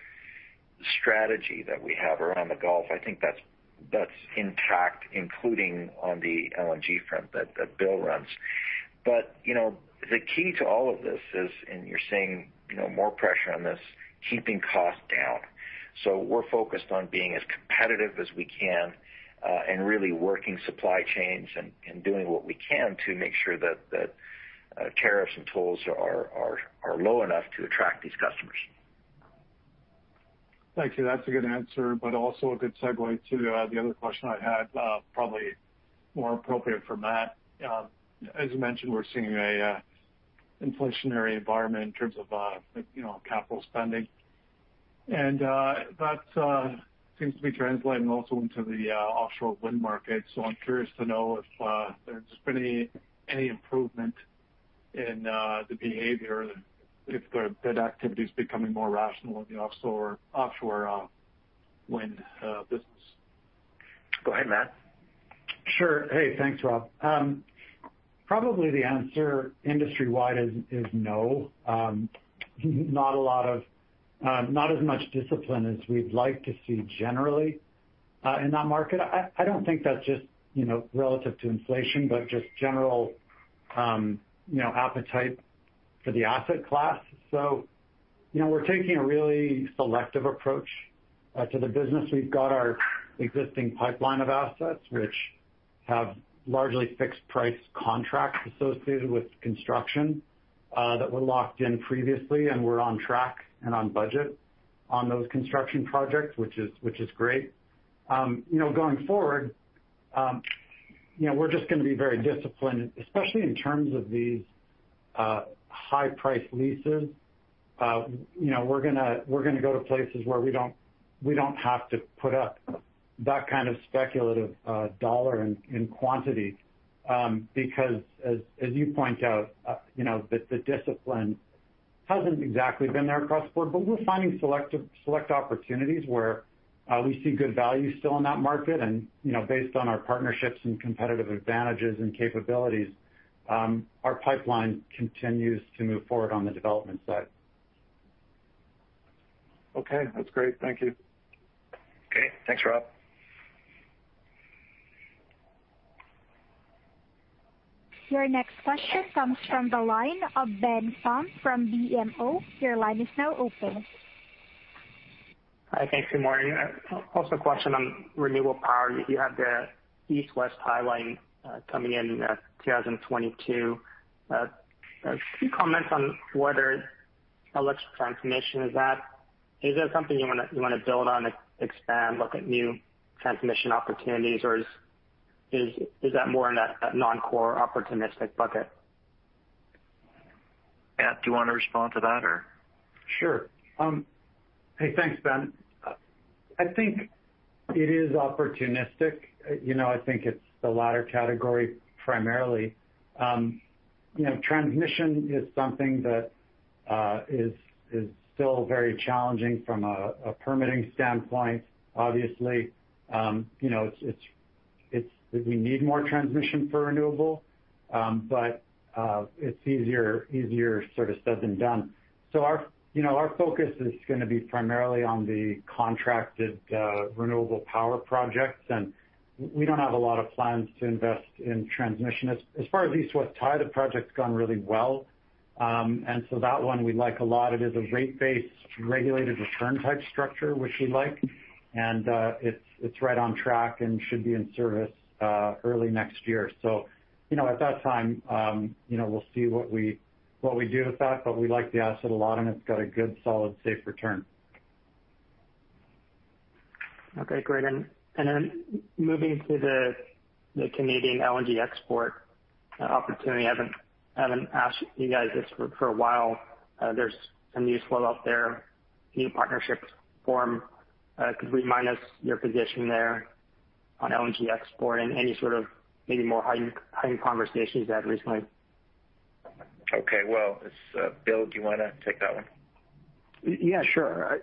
strategy that we have around the Gulf, I think that's intact, including on the LNG front that Bill runs. The key to all of this is, and you're seeing more pressure on this, keeping costs down. We're focused on being as competitive as we can, and really working supply chains and doing what we can to make sure that tariffs and tolls are low enough to attract these customers. Thank you. That's a good answer, also a good segue to the other question I had, probably more appropriate for Matt. As you mentioned, we're seeing an inflationary environment in terms of capital spending, and that seems to be translating also into the offshore wind market. I'm curious to know if there's been any improvement in the behavior, if the bid activity is becoming more rational in the offshore wind business. Go ahead, Matt. Sure. Hey, thanks, Rob. Probably the answer industry-wide is no. Not as much discipline as we'd like to see generally in that market. I don't think that's just relative to inflation, but just general appetite for the asset class. We're taking a really selective approach to the business. We've got our existing pipeline of assets, which have largely fixed-price contracts associated with construction that were locked in previously, and we're on track and on budget on those construction projects, which is great. Going forward, we're just going to be very disciplined, especially in terms of these high-price leases. We're going to go to places where we don't have to put up that kind of speculative dollar in quantity, because as you point out, the discipline hasn't exactly been there across the board. We're finding select opportunities where we see good value still in that market, and based on our partnerships and competitive advantages and capabilities, our pipeline continues to move forward on the development side. Okay. That's great. Thank you. Okay. Thanks, Rob. Your next question comes from the line of Ben Pham from BMO. Your line is now open. Hi. Thanks. Good morning. A question on renewable power. You have the East-West Tie coming in 2022. A few comments on whether electric transmission is at. Is that something you want to build on, expand, look at new transmission opportunities, or is that more in that non-core opportunistic bucket? Matt, do you want to respond to that or? Sure. Hey, thanks, Ben. I think it is opportunistic. I think it's the latter category primarily. Transmission is something that is still very challenging from a permitting standpoint, obviously. We need more transmission for renewable, but it's easier said than done. Our focus is going to be primarily on the contracted renewable power projects, and we don't have a lot of plans to invest in transmission. As far as East-West Tie project's gone really well. That one we like a lot. It is a rate-based, regulated return type structure, which we like, and it's right on track and should be in service early next year. At that time we'll see what we do with that, but we like the asset a lot, and it's got a good, solid, safe return. Okay, great. Moving to the Canadian LNG export opportunity. I haven't asked you guys this for a while. There's some new flow out there, new partnerships formed. Could we minus your position there on LNG export and any sort of maybe more high-end conversations you had recently? Okay. Well, Bill, do you want to take that one? Yeah, sure.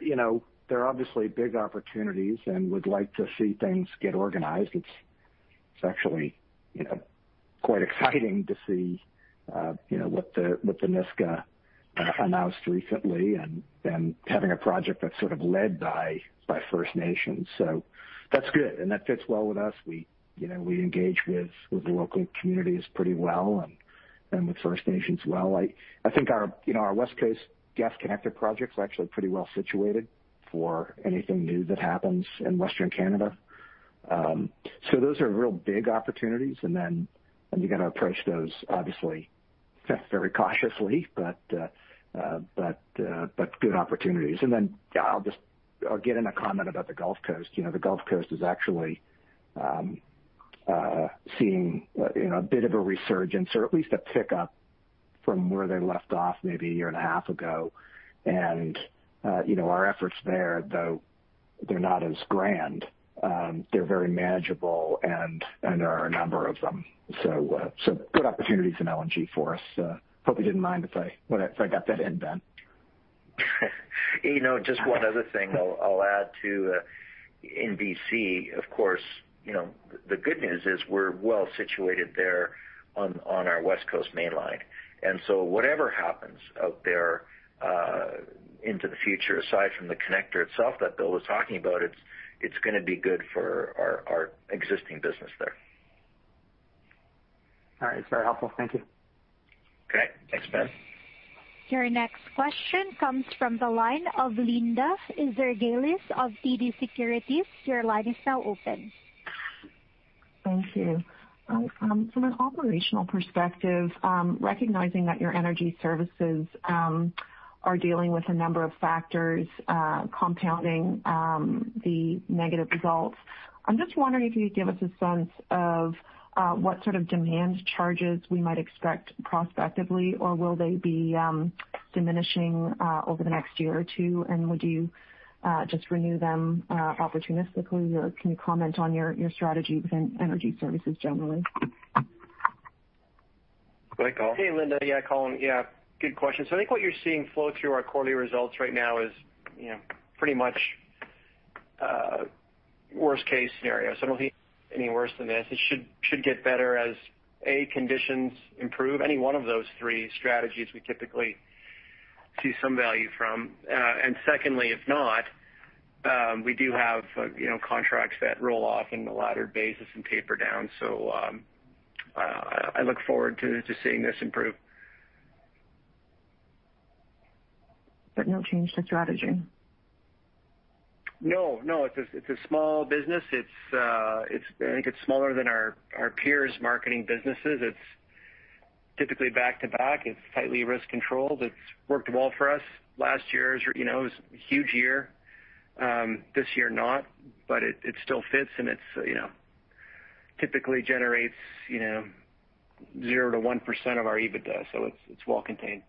There are obviously big opportunities and would like to see things get organized. It's actually quite exciting to see what the Nisga'a announced recently and having a project that's sort of led by First Nations. That's good, and that fits well with us. We engage with the local communities pretty well and with First Nations well. I think our West Coast gas connector projects are actually pretty well situated for anything new that happens in Western Canada. Those are real big opportunities, and then you got to approach those, obviously, very cautiously, but good opportunities. Then I'll get in a comment about the Gulf Coast. The Gulf Coast is actually seeing a bit of a resurgence or at least a pickup from where they left off maybe a year and a half ago. Our efforts there, though they're not as grand, they're very manageable, and there are a number of them. Good opportunities in LNG for us. Hope you didn't mind if I got that in, Ben. Just one other thing I'll add too. In BC, of course, the good news is we're well-situated there on our Westcoast Mainline. Whatever happens out there into the future, aside from the connector itself that Bill was talking about, it's going to be good for our existing business there. All right. It is very helpful. Thank you. Great. Thanks, Ben. Your next question comes from the line of Linda Ezergailis of TD Securities. Your line is now open. Thank you. From an operational perspective, recognizing that your energy services are dealing with a number of factors compounding the negative results, I'm just wondering if you could give us a sense of what sort of demand charges we might expect prospectively, or will they be diminishing over the next year or two, and would you just renew them opportunistically, or can you comment on your strategy within energy services generally? Go ahead, Colin. Hey, Linda. Yeah, Colin here. Yeah, good question. I think what you're seeing flow through our quarterly results right now is pretty much worst-case scenario. I don't think any worse than this. It should get better as, A, conditions improve. Any one of those 3 strategies we typically see some value from. Secondly, if not, we do have contracts that roll off in a laddered basis and taper down. I look forward to seeing this improve. No change to strategy? No, it's a small business. I think it's smaller than our peers' marketing businesses. It's typically back-to-back. It's tightly risk-controlled. It's worked well for us. Last year was a huge year. This year not, but it still fits and it typically generates 0%-1% of our EBITDA, so it's well contained.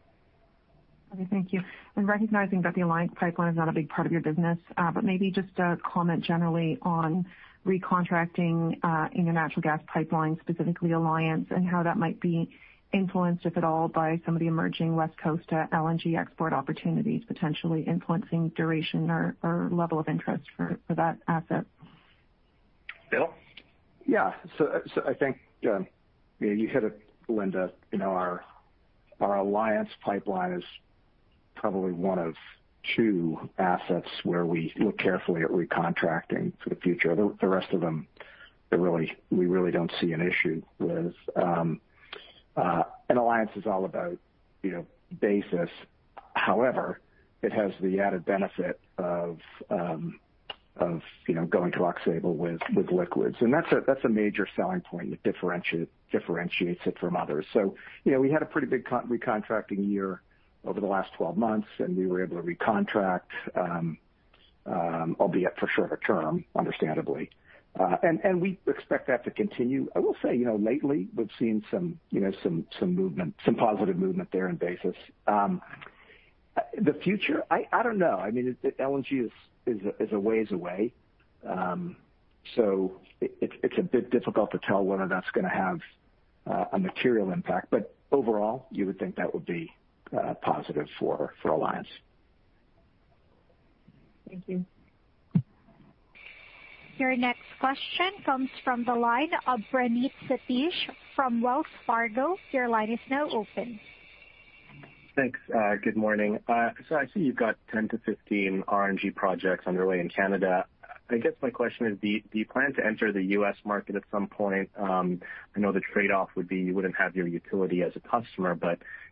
Okay, thank you. Recognizing that the Alliance Pipeline is not a big part of your business, but maybe just a comment generally on recontracting in your natural gas pipeline, specifically Alliance, and how that might be influenced, if at all, by some of the emerging West Coast LNG export opportunities, potentially influencing duration or level of interest for that asset. Bill? Yeah. I think you hit it, Linda. Our Alliance Pipeline is probably one of two assets where we look carefully at recontracting for the future. The rest of them, we really don't see an issue with. Alliance is all about basis. However, it has the added benefit of going to Aux Sable with liquids. That's a major selling point that differentiates it from others. We had a pretty big recontracting year over the last 12 months, and we were able to recontract, albeit for shorter term, understandably. We expect that to continue. I will say, lately, we've seen some positive movement there in basis. The future? I don't know. I mean, LNG is a ways away. It's a bit difficult to tell whether that's going to have a material impact. Overall, you would think that would be positive for Alliance. Thank you. Your next question comes from the line of Praneeth Satish from Wells Fargo. Your line is now open. Thanks. Good morning. I see you've got 10-15 RNG projects underway in Canada. I guess my question is, do you plan to enter the U.S. market at some point? I know the trade-off would be you wouldn't have your utility as a customer,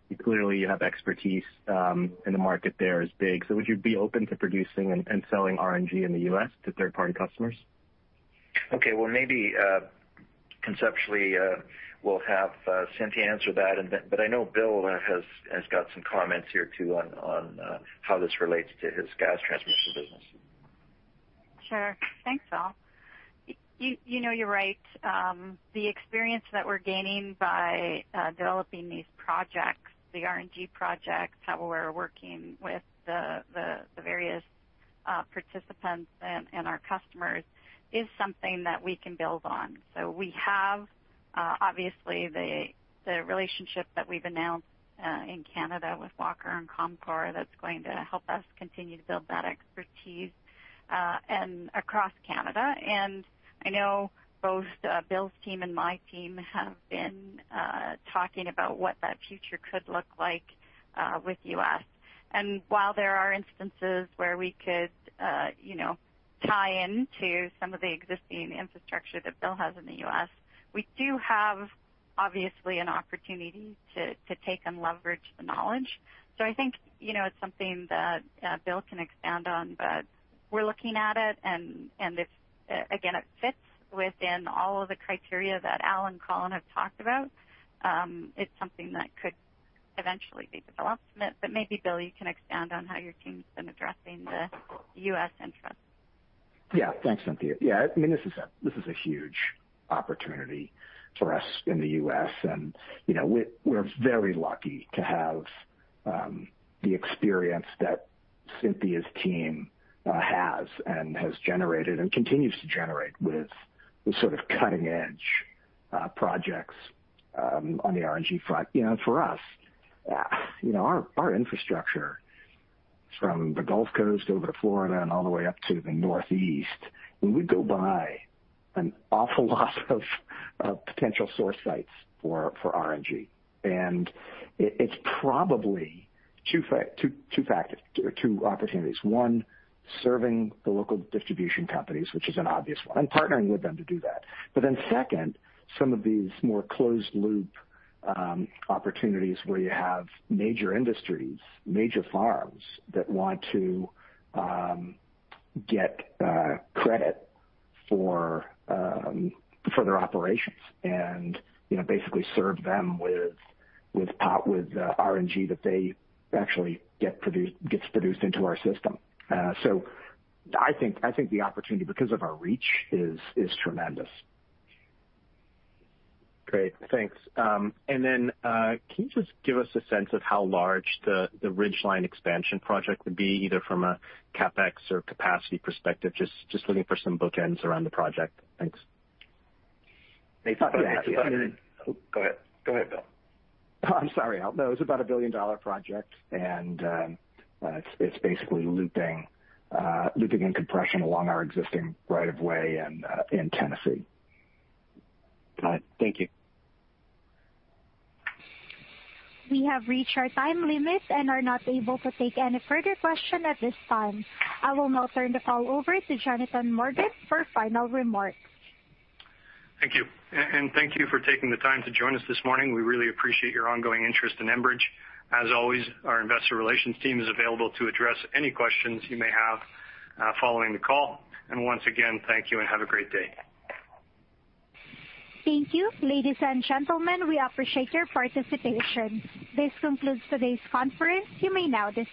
but you clearly have expertise in the market there. It's big. Would you be open to producing and selling RNG in the U.S. to third-party customers? Okay. Well, maybe conceptually, we'll have Cynthia answer that. I know Bill has got some comments here too on how this relates to his gas transmission business. Sure. Thanks, Al. You're right. The experience that we're gaining by developing these projects, the RNG projects, how we're working with the various participants and our customers, is something that we can build on. We have, obviously, the relationship that we've announced in Canada with Walker and Comcor that's going to help us continue to build that expertise across Canada. I know both Bill's team and my team have been talking about what that future could look like with U.S. While there are instances where we could tie into some of the existing infrastructure that Bill has in the U.S., we do have, obviously, an opportunity to take and leverage the knowledge. I think it's something that Bill can expand on, but we're looking at it, and if, again, it fits within all of the criteria that Al and Colin have talked about, it's something that could eventually be developed. Maybe, Bill, you can expand on how your team's been addressing the U.S. interest. Thanks, Cynthia. I mean, this is a huge opportunity for us in the U.S., and we're very lucky to have the experience that Cynthia's team has, and has generated and continues to generate with the sort of cutting-edge projects on the RNG front. For us, our infrastructure from the Gulf Coast over to Florida and all the way up to the Northeast, we go by an awful lot of potential source sites for RNG. It's probably two opportunities. One, serving the local distribution companies, which is an obvious one, and partnering with them to do that. Second, some of these more closed-loop opportunities where you have major industries, major farms that want to get credit for their operations and basically serve them with RNG that actually gets produced into our system. I think the opportunity, because of our reach, is tremendous. Great. Thanks. Can you just give us a sense of how large the Ridgeline Expansion Project would be, either from a CapEx or capacity perspective? Just looking for some bookends around the project. Thanks. Go ahead. Go ahead, Bill. Oh, I'm sorry, Al. No, it's about a billion-dollar project, and it's basically looping and compression along our existing right of way in Tennessee. All right. Thank you. We have reached our time limit and are not able to take any further question at this time. I will now turn the call over to Jonathan Morgan for final remarks. Thank you. Thank you for taking the time to join us this morning. We really appreciate your ongoing interest in Enbridge. As always, our investor relations team is available to address any questions you may have following the call. Once again, thank you and have a great day. Thank you. Ladies and gentlemen, we appreciate your participation. This concludes today's conference. You may now disconnect.